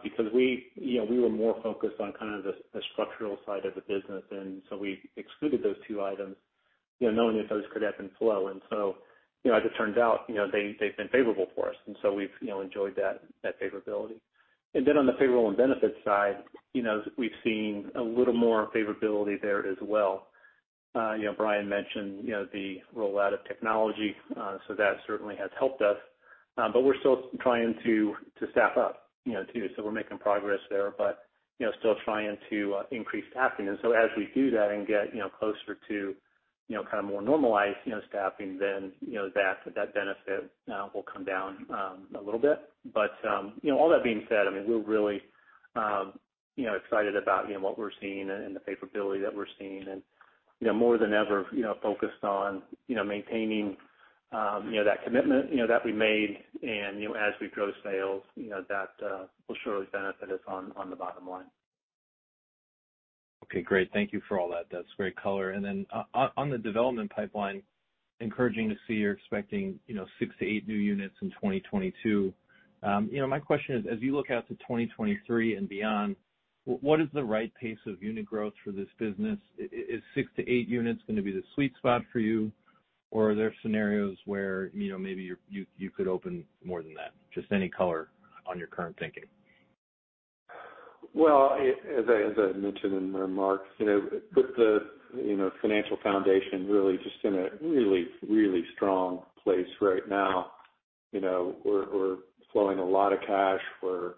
because we were more focused on kind of the structural side of the business. We excluded those two items, knowing that those could ebb and flow. As it turns out, they've been favorable for us. We've enjoyed that favorability. On the payroll and benefits side, we've seen a little more favorability there as well. Brian mentioned the rollout of technology, that certainly has helped us. We're still trying to staff up, too. We're making progress there, but still trying to increase staffing. As we do that and get closer to kind of more normalized staffing, that benefit will come down a little bit. All that being said, I mean, we're really excited about what we're seeing and the favorability that we're seeing and more than ever focused on maintaining that commitment that we made. As we grow sales, that will surely benefit us on the bottom line. Okay, great. Thank you for all that. That's great color. On the development pipeline, encouraging to see you're expecting six to eight new units in 2022. My question is, as you look out to 2023 and beyond, what is the right pace of unit growth for this business? Is six to eight units going to be the sweet spot for you, or are there scenarios where maybe you could open more than that? Just any color on your current thinking. Well, as I mentioned in my remarks, with the financial foundation really just in a really, really strong place right now, we're flowing a lot of cash. We're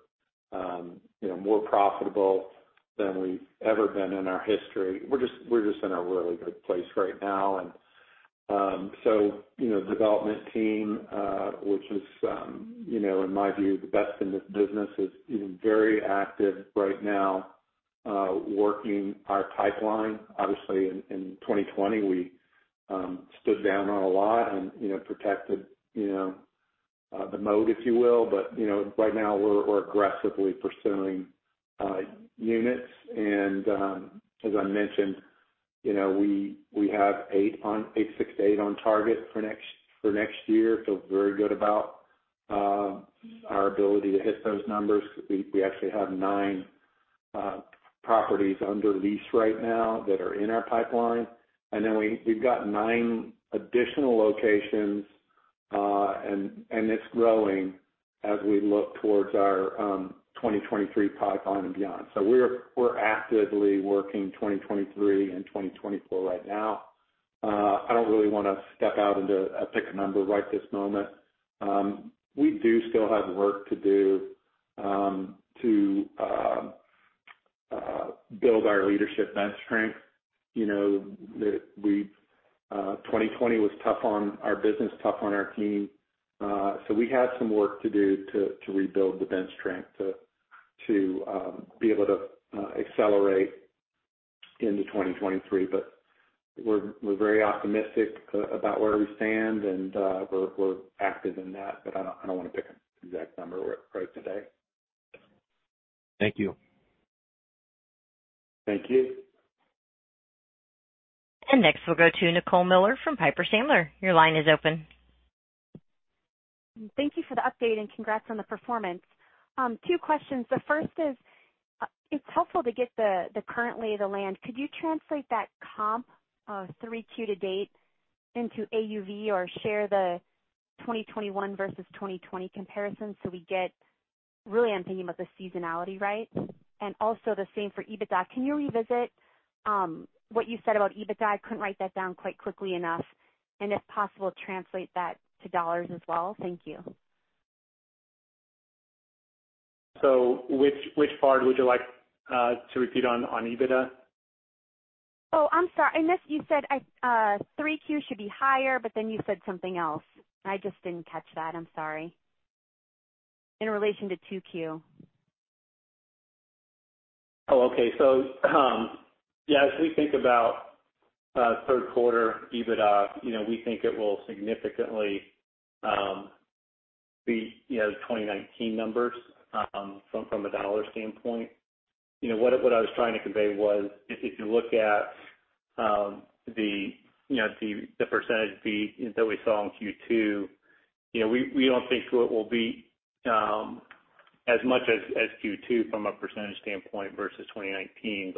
more profitable than we've ever been in our history. We're just in a really good place right now. The development team, which is in my view, the best in this business, is very active right now working our pipeline. Obviously, in 2020, we stood down on a lot and protected the moat, if you will. Right now we're aggressively pursuing units. As I mentioned, we have six to eight on target for next year. Feel very good about our ability to hit those numbers because we actually have nine properties under lease right now that are in our pipeline. We've got nine additional locations, and it's growing as we look towards our 2023 pipeline and beyond. We're actively working 2023 and 2024 right now. I don't really want to step out and pick a number right this moment. We do still have work to do to build our leadership bench strength. 2020 was tough on our business, tough on our team. We have some work to do to rebuild the bench strength to be able to accelerate into 2023. We're very optimistic about where we stand, and we're active in that. I don't want to pick an exact number right today. Thank you. Thank you. Next we'll go to Nicole Miller from Piper Sandler. Your line is open. Thank you for the update and congrats on the performance. Two questions. The first is, it's helpful to get the current lay of the land. Could you translate that comp of 3Q to date into AUV or share the 2021 versus 2020 comparison so we get, really I'm thinking about the seasonality, right? Also the same for EBITDA. Can you revisit what you said about EBITDA? I couldn't write that down quite quickly enough. If possible, translate that to dollars as well. Thank you. Which part would you like to repeat on EBITDA? I'm sorry. Unless you said 3Q should be higher, you said something else. I just didn't catch that. I'm sorry. In relation to 2Q. Okay. As we think about third quarter EBITDA, we think it will significantly beat the 2019 numbers from a dollar standpoint. What I was trying to convey was, if you look at the percentage beat that we saw in Q2, we don't think it will beat as much as Q2 from a percentage standpoint versus 2019.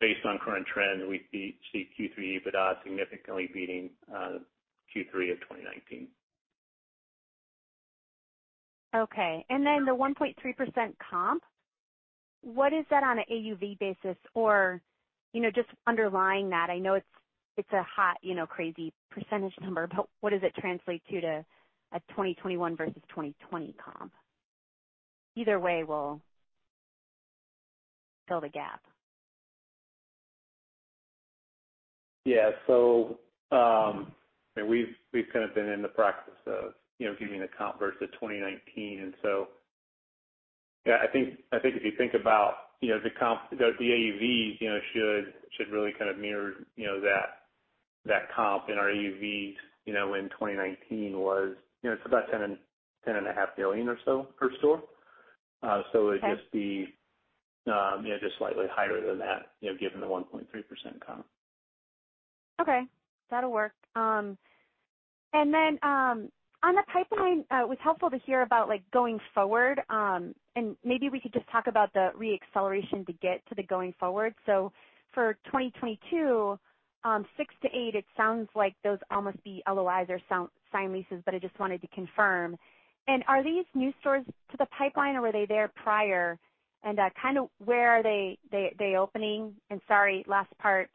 Based on current trends, we see Q3 EBITDA significantly beating Q3 of 2019. Okay. The 1.3% comp, what is that on an AUV basis? Just underlying that, I know it's a hot, crazy percentage number, but what does it translate to a 2021 versus 2020 comp? Either way will fill the gap. We've kind of been in the practice of giving a comp versus 2019. I think if you think about the comp, the AUVs should really kind of mirror that comp in our AUVs, in 2019 was about $10.5 million or so per store. Okay. It'd just be slightly higher than that, given the 1.3% comp. Okay. That'll work. On the pipeline, it was helpful to hear about going forward. Maybe we could just talk about the re-acceleration to get to the going forward. For 2022, six to eight, it sounds like those almost be LOIs or signed leases, but I just wanted to confirm. Are these new stores to the pipeline or were they there prior? Where are they opening? Sorry, last part,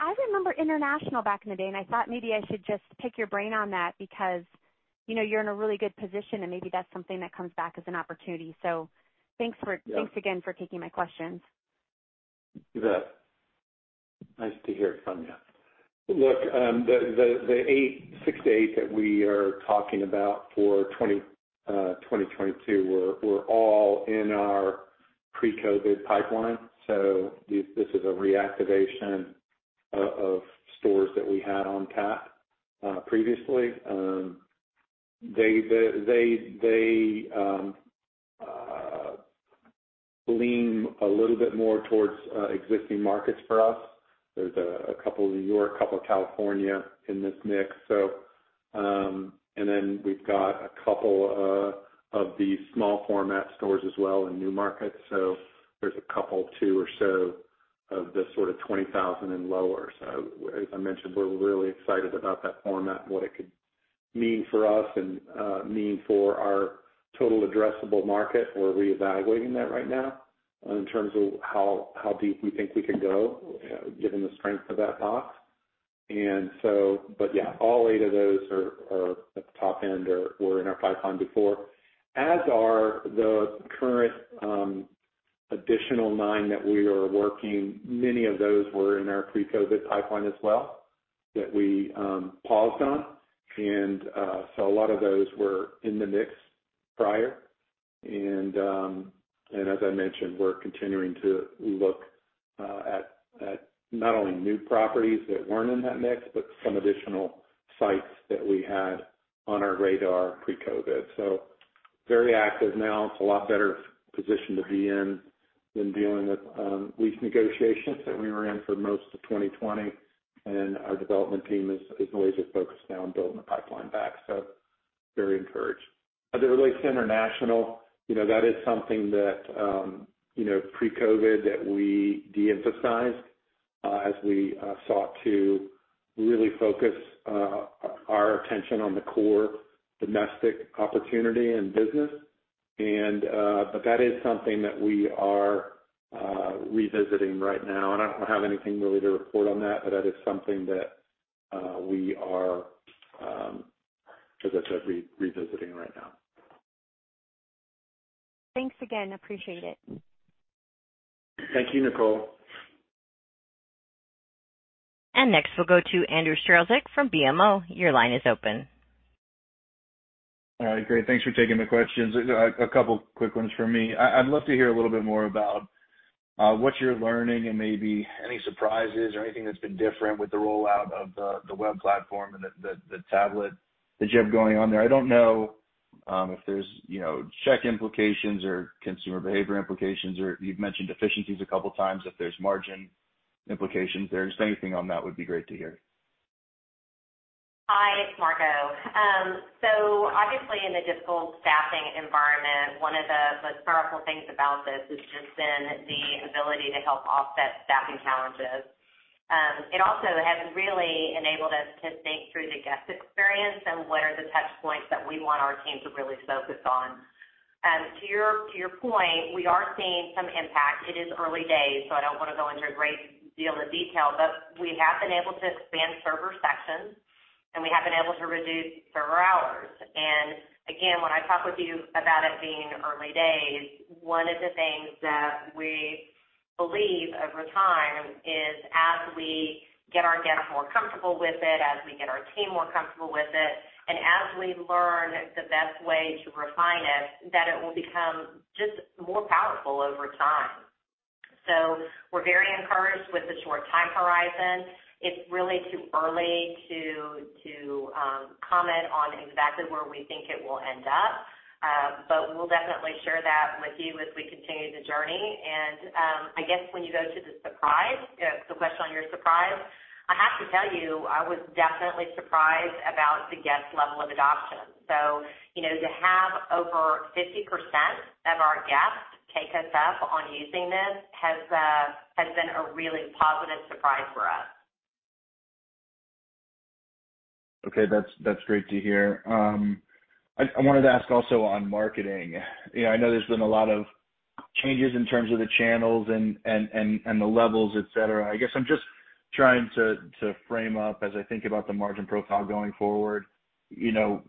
I remember international back in the day, and I thought maybe I should just pick your brain on that because you're in a really good position and maybe that's something that comes back as an opportunity. Thanks again for taking my questions. You bet. Nice to hear from you. Look, the six to eight that we are talking about for 2022 were all in our pre-COVID pipeline. This is a reactivation of stores that we had on tap previously. They lean a little bit more towards existing markets for us. There's a couple New York, a couple California in this mix, so. Then we've got a couple of the small format stores as well in new markets. There's a couple, two or so, of the sort of 20,000 and lower. As I mentioned, we're really excited about that format and what it could mean for us and mean for our total addressable market. We're reevaluating that right now in terms of how deep we think we can go given the strength of that box. All eight of those are at the top end or were in our pipeline before, as are the current additional nine that we are working. Many of those were in our pre-COVID pipeline as well that we paused on. A lot of those were in the mix prior. As I mentioned, we're continuing to look at not only new properties that weren't in that mix, but some additional sites that we had on our radar pre-COVID. Very active now. It's a lot better position to be in than dealing with lease negotiations that we were in for most of 2020. Our development team is laser focused now on building the pipeline back, so very encouraged. As it relates to international, that is something that, pre-COVID, that we de-emphasized as we sought to really focus our attention on the core domestic opportunity and business. That is something that we are revisiting right now. I don't have anything really to report on that, but that is something that we are, as I said, revisiting right now. Thanks again. Appreciate it. Thank you, Nicole. Next we'll go to Andrew Strelzik from BMO. Your line is open. All right, great. Thanks for taking the questions. A couple quick ones for me. I'd love to hear a little bit more about what you're learning and maybe any surprises or anything that's been different with the rollout of the web platform and the tablet that you have going on there. I don't know if there's check implications or consumer behavior implications or you've mentioned efficiencies a couple times, if there's margin implications there. Just anything on that would be great to hear. Hi, it's Margo. Obviously in the difficult staffing environment, one of the most powerful things about this has just been the ability to help offset staffing challenges. It also has really enabled us to think through the guest experience and where the touch points that we want our team to really focus on. To your point, we are seeing some impact. It is early days, so I don't want to go into a great deal of detail, but we have been able to expand server sections. We have been able to reduce server hours. Again, when I talk with you about it being early days, one of the things that we believe over time is as we get our guests more comfortable with it, as we get our team more comfortable with it, and as we learn the best way to refine it, that it will become just more powerful over time. We're very encouraged with the short time horizon. It's really too early to comment on exactly where we think it will end up. We will definitely share that with you as we continue the journey. I guess when you go to the surprise, the question on your surprise, I have to tell you, I was definitely surprised about the guest level of adoption. To have over 50% of our guests take us up on using this has been a really positive surprise for us. Okay. That's great to hear. I wanted to ask also on marketing. I know there's been a lot of changes in terms of the channels and the levels, et cetera. I guess I'm just trying to frame up as I think about the margin profile going forward. Does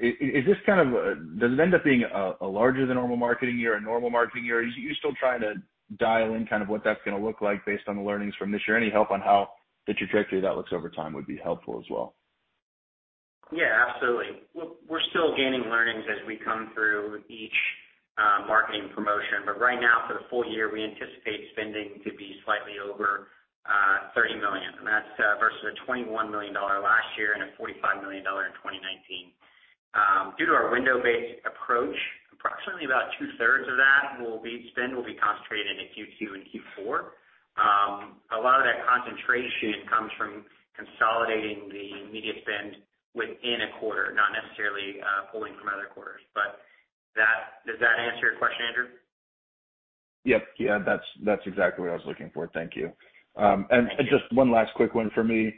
it end up being a larger than normal marketing year, a normal marketing year? Are you still trying to dial in what that's going to look like based on the learnings from this year? Any help on how the trajectory of that looks over time would be helpful as well. Yeah, absolutely. We're still gaining learnings as we come through each marketing promotion. Right now for the full year, we anticipate spending to be slightly over $30 million, and that's versus a $21 million last year and a $45 million in 2019. Due to our window-based approach, approximately about two-thirds of that spend will be concentrated in Q2 and Q4. A lot of that concentration comes from consolidating the media spend within a quarter, not necessarily pulling from other quarters. Does that answer your question, Andrew? Yep. Yeah, that's exactly what I was looking for. Thank you. Thank you. Just one last quick one for me.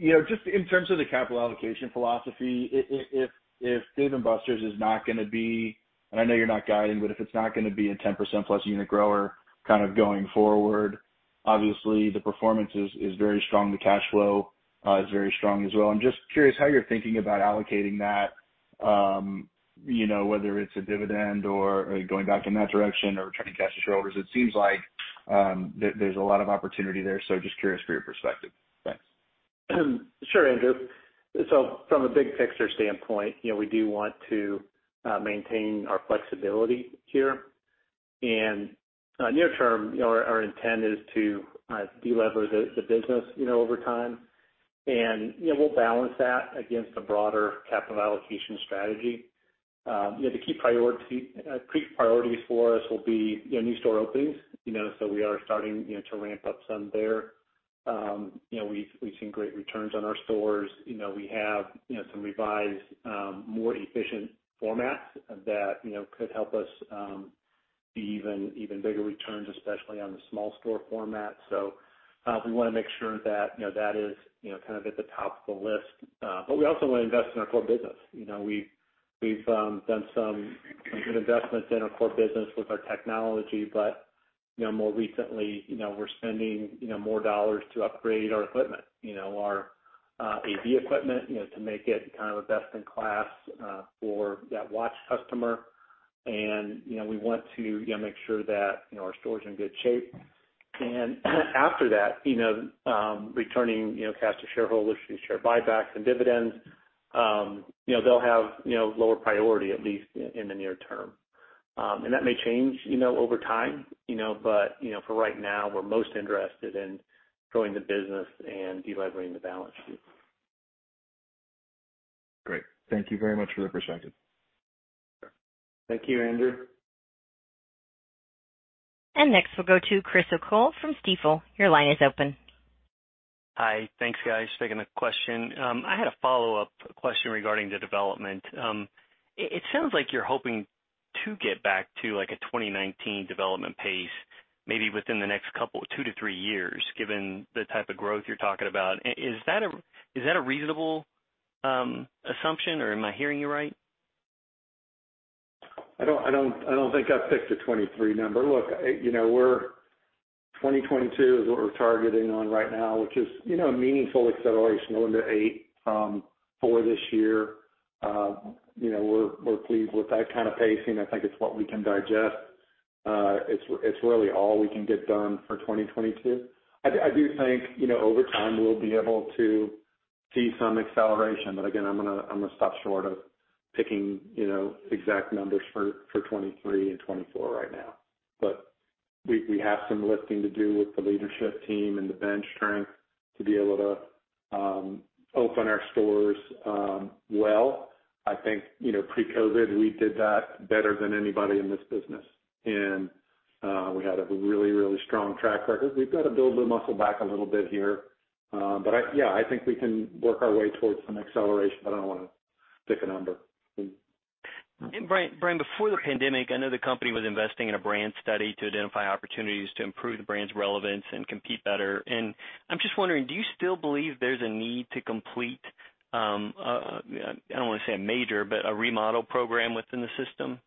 Just in terms of the capital allocation philosophy, if Dave & Buster's is not going to be, and I know you're not guiding, but if it's not going to be a 10%+ unit grower going forward, obviously the performance is very strong. The cash flow is very strong as well. I'm just curious how you're thinking about allocating that, whether it's a dividend or going back in that direction or returning cash to shareholders. It seems like there's a lot of opportunity there, so just curious for your perspective. Thanks. Sure, Andrew. From a big picture standpoint, we do want to maintain our flexibility here, and near term, our intent is to de-lever the business over time. We'll balance that against a broader capital allocation strategy. The key priorities for us will be new store openings. We are starting to ramp up some there. We've seen great returns on our stores. We have some revised, more efficient formats that could help us see even bigger returns, especially on the small store format. We want to make sure that is kind of at the top of the list. We also want to invest in our core business. We've done some good investments in our core business with our technology, but more recently, we're spending more dollars to upgrade our equipment, our AV equipment, to make it kind of a best in class for that watch customer. We want to make sure that our store is in good shape. After that, returning cash to shareholders through share buybacks and dividends, they'll have lower priority, at least in the near term. That may change over time, but for right now, we're most interested in growing the business and de-leveraging the balance sheet. Great. Thank you very much for the perspective. Thank you, Andrew. Next, we'll go to Chris O'Cull from Stifel. Your line is open. Hi. Thanks, guys. Taking the question. I had a follow-up question regarding the development. It sounds like you're hoping to get back to, like, a 2019 development pace, maybe within the next couple, two to three years, given the type of growth you're talking about. Is that a reasonable assumption, or am I hearing you right? I don't think I've picked a 2023 number. Look, 2022 is what we're targeting on right now, which is a meaningful acceleration going to eight from four this year. We're pleased with that kind of pacing. I think it's what we can digest. It's really all we can get done for 2022. I do think, over time, we'll be able to see some acceleration. Again, I'm going to stop short of picking exact numbers for 2023 and 2024 right now. We have some lifting to do with the leadership team and the bench strength to be able to open our stores well. I think, pre-COVID, we did that better than anybody in this business. We had a really strong track record. We've got to build the muscle back a little bit here. Yeah, I think we can work our way towards some acceleration, but I don't want to pick a number. Brian, before the pandemic, I know the company was investing in a brand study to identify opportunities to improve the brand's relevance and compete better. I'm just wondering, do you still believe there's a need to complete, I don't want to say a major, but a remodel program within the system?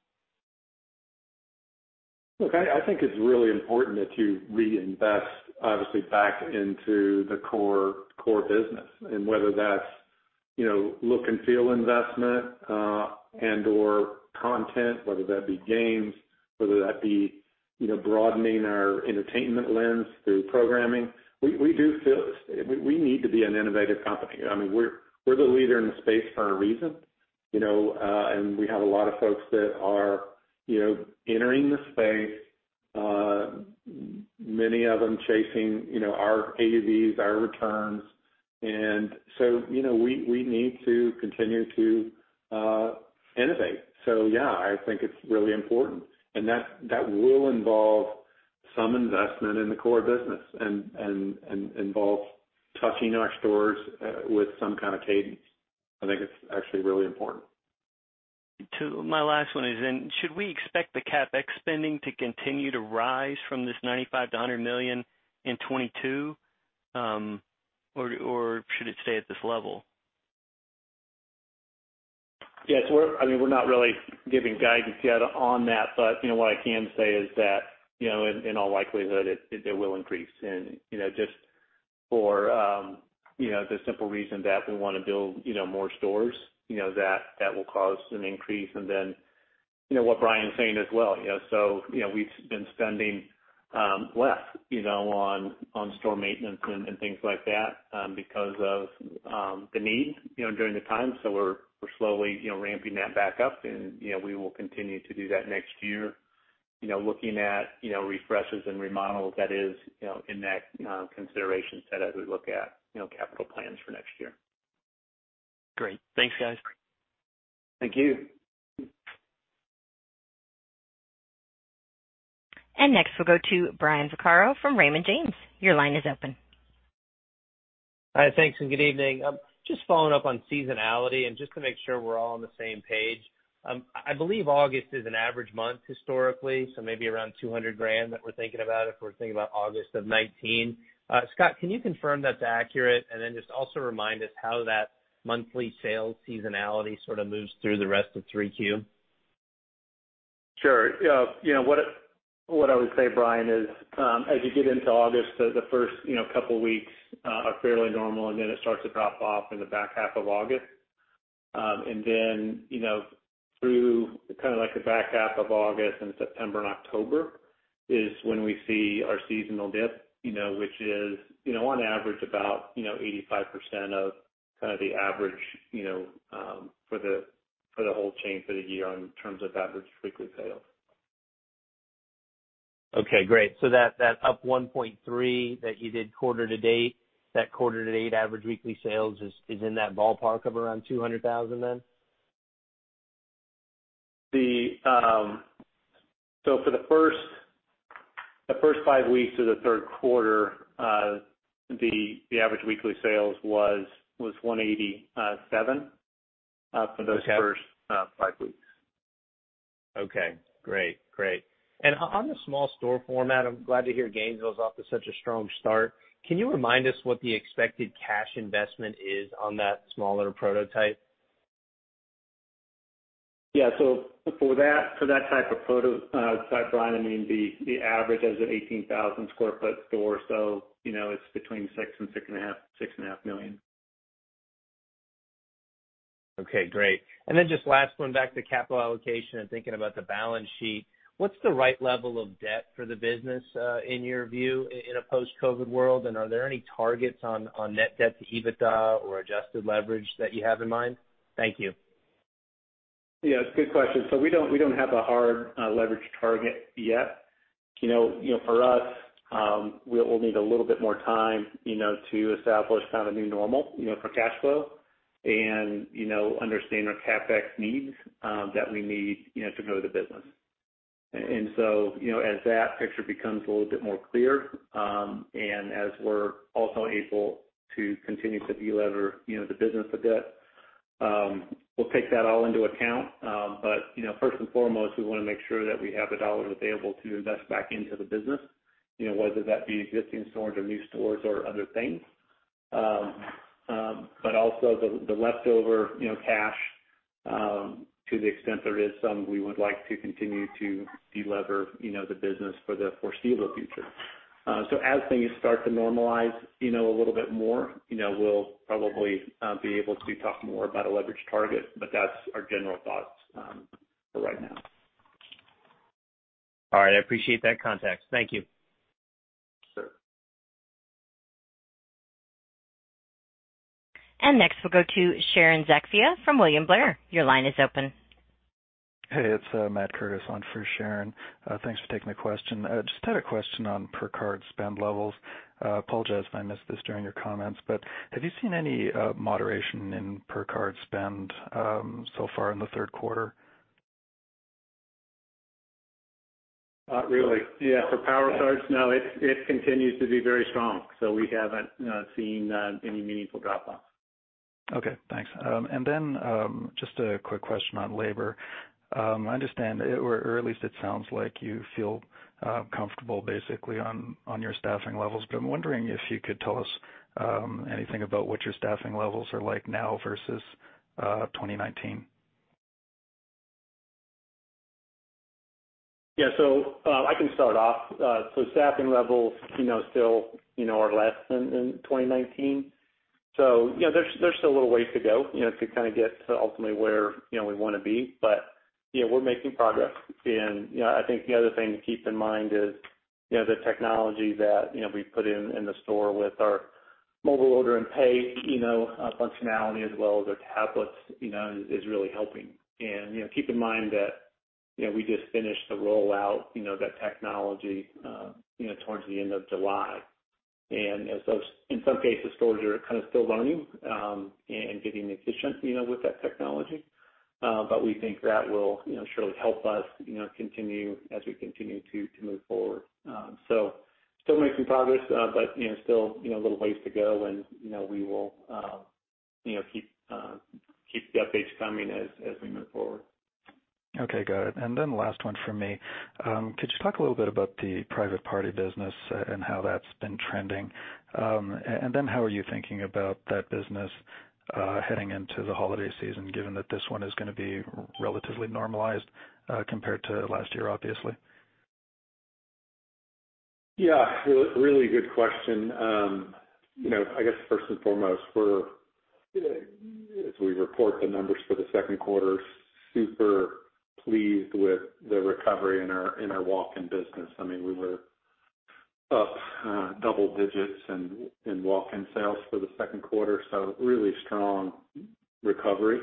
I think it's really important that you reinvest, obviously, back into the core business. Whether that's look and feel investment and/or content, whether that be games, whether that be broadening our entertainment lens through programming. We need to be an innovative company. We're the leader in the space for a reason, and we have a lot of folks that are entering the space, many of them chasing our AUVs, our returns. We need to continue to innovate. I think it's really important. That will involve some investment in the core business and involve touching our stores with some kind of cadence. I think it's actually really important. My last one is then, should we expect the CapEx spending to continue to rise from this $95 million-$100 million in 2022, or should it stay at this level? Yes. We're not really giving guidance yet on that. What I can say is that, in all likelihood, it will increase. Just for the simple reason that we want to build more stores, that will cause an increase. What Brian's saying as well. We've been spending less on store maintenance and things like that because of the need during the time. We're slowly ramping that back up, and we will continue to do that next year. Looking at refreshes and remodels, that is in that consideration set as we look at capital plans for next year. Great. Thanks, guys. Thank you. Next, we'll go to Brian Vaccaro from Raymond James. Your line is open. Hi, thanks and good evening. Just following up on seasonality and just to make sure we're all on the same page. I believe August is an average month historically, so maybe around $200,000 that we're thinking about if we're thinking about August of 2019. Scott, can you confirm that's accurate? Then just also remind us how that monthly sales seasonality sort of moves through the rest of 3Q. Sure. What I would say, Brian, is as you get into August, the first couple weeks are fairly normal, and then it starts to drop off in the back half of August. Through the back half of August and September and October is when we see our seasonal dip, which is on average about 85% of the average for the whole chain for the year in terms of average weekly sales. Okay, great. That up 1.3% that you did quarter to date, that quarter to date average weekly sales is in that ballpark of around $200,000 then? For the first five weeks of the third quarter, the average weekly sales was $187,000 for those first five weeks. Okay, great. On the small store format, I'm glad to hear Gainesville's off to such a strong start. Can you remind us what the expected cash investment is on that smaller prototype? Yeah. For that type of prototype, Brian, the average is an 18,000 sq ft store. It's between $6 million-$6.5 million. Okay, great. Just last one back to capital allocation and thinking about the balance sheet. What's the right level of debt for the business, in your view, in a post-COVID world? Are there any targets on net debt to EBITDA or adjusted leverage that you have in mind? Thank you. Yeah, it's a good question. We don't have a hard leverage target yet. For us, we'll need a little bit more time to establish kind of a new normal for cash flow and understand our CapEx needs that we need to grow the business. As that picture becomes a little bit more clear, and as we're also able to continue to delever the business of debt, we'll take that all into account. First and foremost, we want to make sure that we have the dollars available to invest back into the business, whether that be existing stores or new stores or other things. Also the leftover cash, to the extent there is some, we would like to continue to delever the business for the foreseeable future. As things start to normalize a little bit more, we'll probably be able to talk more about a leverage target, but that's our general thoughts for right now. All right. I appreciate that context. Thank you. Sure. Next we'll go to Sharon Zackfia from William Blair. Your line is open. Hey, it's Matt Curtis on for Sharon. Thanks for taking the question. Just had a question on per card spend levels. I apologize if I missed this during your comments, have you seen any moderation in per card spend so far in the third quarter? Not really. Yeah, for Power Cards, no, it continues to be very strong. We haven't seen any meaningful drop-offs. Okay, thanks. Just a quick question on labor. I understand, or at least it sounds like you feel comfortable basically on your staffing levels. I'm wondering if you could tell us anything about what your staffing levels are like now versus 2019. I can start off. Staffing levels still are less than in 2019. There's still a little ways to go to get to ultimately where we want to be. We're making progress. I think the other thing to keep in mind is the technology that we put in the store with our mobile order and pay functionality as well as our tablets, is really helping. Keep in mind that we just finished the rollout, that technology towards the end of July. In some cases, stores are still learning and getting efficient with that technology. We think that will surely help us as we continue to move forward. Still making progress, but still a little ways to go and we will keep the updates coming as we move forward. Okay. Got it. Last one from me. Could you talk a little bit about the private party business and how that's been trending? How are you thinking about that business heading into the holiday season, given that this one is going to be relatively normalized compared to last year, obviously? Yeah. Really good question. First and foremost, as we report the numbers for the second quarter, super pleased with the recovery in our walk-in business. We were up double digits in walk-in sales for the second quarter. Really strong recovery.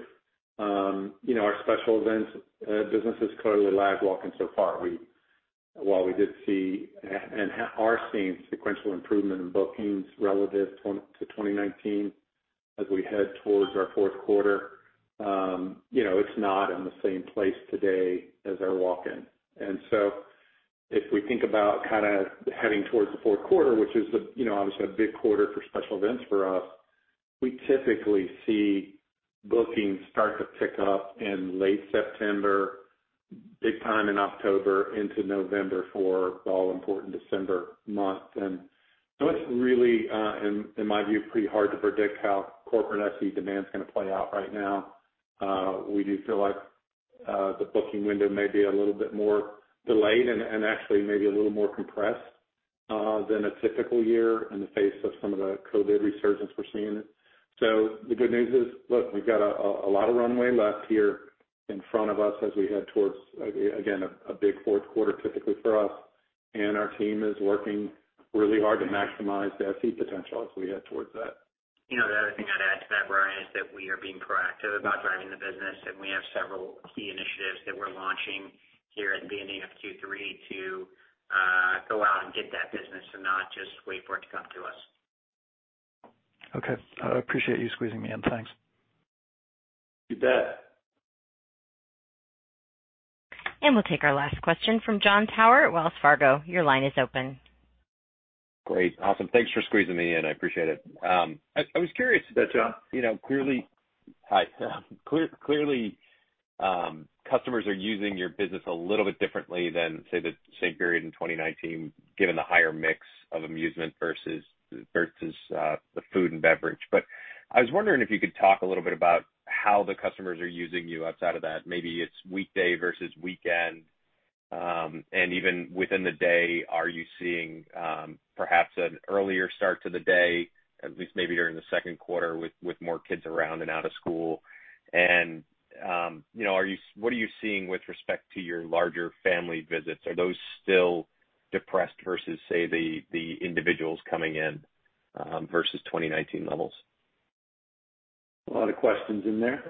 Our special events business has clearly lagged walk-in so far. While we did see and are seeing sequential improvement in bookings relative to 2019 as we head towards our fourth quarter, it's not in the same place today as our walk-in. If we think about heading towards the fourth quarter, which is obviously a big quarter for special events for us, we typically see bookings start to pick up in late September, big time in October into November for all important December month. It's really, in my view, pretty hard to predict how corporate SE demand is going to play out right now. We do feel like the booking window may be a little bit more delayed and actually maybe a little more compressed than a typical year in the face of some of the COVID resurgence we're seeing. The good news is, look, we've got a lot of runway left here in front of us as we head towards, again, a big fourth quarter typically for us. Our team is working really hard to maximize SE potential as we head towards that. The other thing I'd add to that, Brian, is that we are being proactive about driving the business, and we have several key initiatives that we're launching here at the end of Q3 to go out and get that business and not just wait for it to come to us. Okay. I appreciate you squeezing me in. Thanks. You bet. We'll take our last question from Jon Tower at Wells Fargo. Your line is open. Great. Awesome. Thanks for squeezing me in. I appreciate it. You bet, Jon. Hi. Clearly, customers are using your business a little bit differently than, say, the same period in 2019, given the higher mix of amusement versus the food and beverage. I was wondering if you could talk a little bit about how the customers are using you outside of that. Maybe it's weekday versus weekend. Even within the day, are you seeing perhaps an earlier start to the day, at least maybe during the second quarter with more kids around and out of school? What are you seeing with respect to your larger family visits? Are those still depressed versus, say, the individuals coming in versus 2019 levels? A lot of questions in there.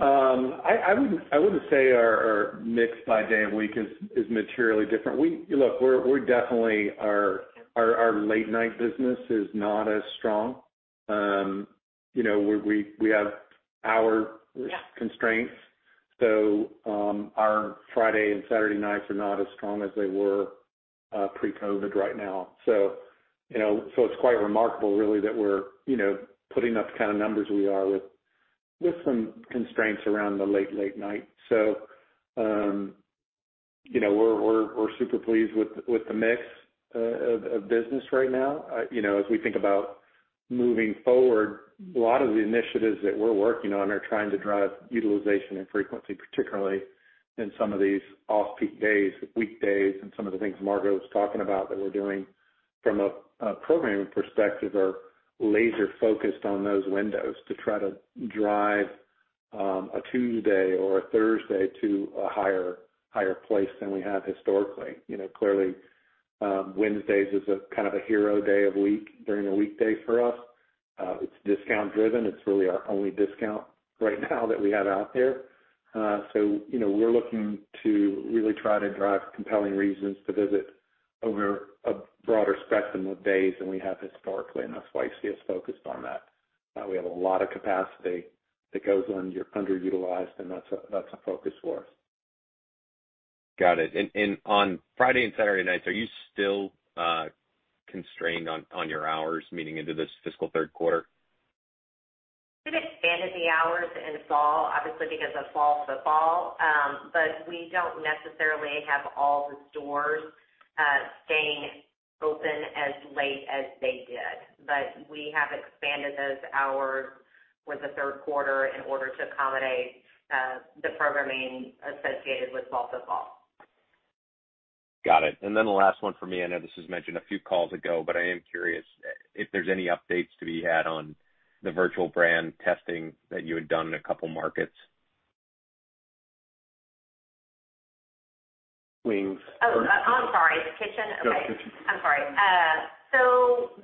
I wouldn't say our mix by day of week is materially different. Definitely our late-night business is not as strong. We have hour constraints. Our Friday and Saturday nights are not as strong as they were pre-COVID right now. It's quite remarkable really that we're putting up the kind of numbers we are with some constraints around the late night. We're super pleased with the mix of business right now. As we think about moving forward, a lot of the initiatives that we're working on are trying to drive utilization and frequency, particularly in some of these off-peak days, weekdays, and some of the things Margo was talking about that we're doing from a programming perspective are laser-focused on those windows to try to drive a Tuesday or a Thursday to a higher place than we have historically. Clearly, Wednesdays is a kind of a hero day of week during a weekday for us. It's discount driven. It's really our only discount right now that we have out there. We're looking to really try to drive compelling reasons to visit over a broader spectrum of days than we have historically, and that's why you see us focused on that. We have a lot of capacity that goes underutilized, and that's a focus for us. Got it. On Friday and Saturday nights, are you still constrained on your hours, meaning into this fiscal third quarter? We've expanded the hours in fall, obviously because of fall football. We don't necessarily have all the stores staying open as late as they did. We have expanded those hours for the third quarter in order to accommodate the programming associated with fall football. Got it. The last one for me, I know this was mentioned a few calls ago, but I am curious if there's any updates to be had on the virtual brand testing that you had done in a couple markets. Wings Out Oh, I'm sorry. The kitchen? Okay. No, the kitchen. I'm sorry.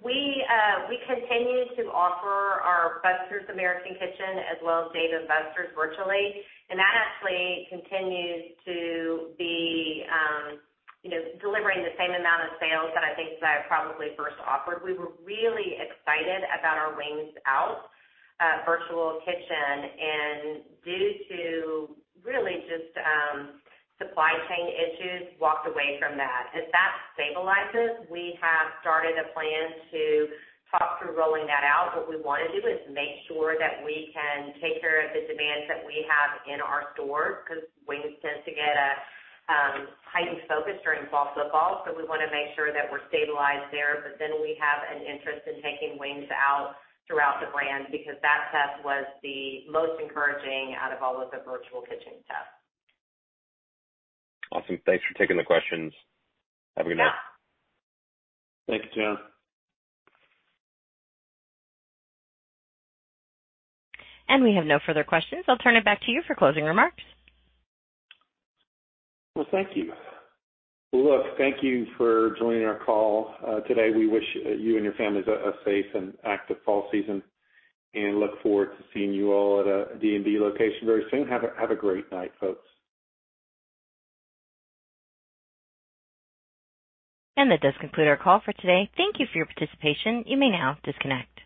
We continue to offer our Buster's American Kitchen as well as Dave & Buster's virtually, and that actually continues to be delivering the same amount of sales that I think that I probably first offered. We were really excited about our Wings Out virtual kitchen, and due to really just supply chain issues, walked away from that. As that stabilizes, we have started a plan to talk through rolling that out. What we want to do is make sure that we can take care of the demand that we have in our stores, because wings tends to get a heightened focus during fall football. We want to make sure that we're stabilized there. We have an interest in taking Wings Out throughout the brand because that test was the most encouraging out of all of the virtual kitchen tests. Awesome. Thanks for taking the questions. Have a good night. Thank you, Jon. We have no further questions. I'll turn it back to you for closing remarks. Well, thank you. Look, thank you for joining our call today. We wish you and your families a safe and active fall season and look forward to seeing you all at a D&B location very soon. Have a great night, folks. That does conclude our call for today. Thank you for your participation. You may now disconnect.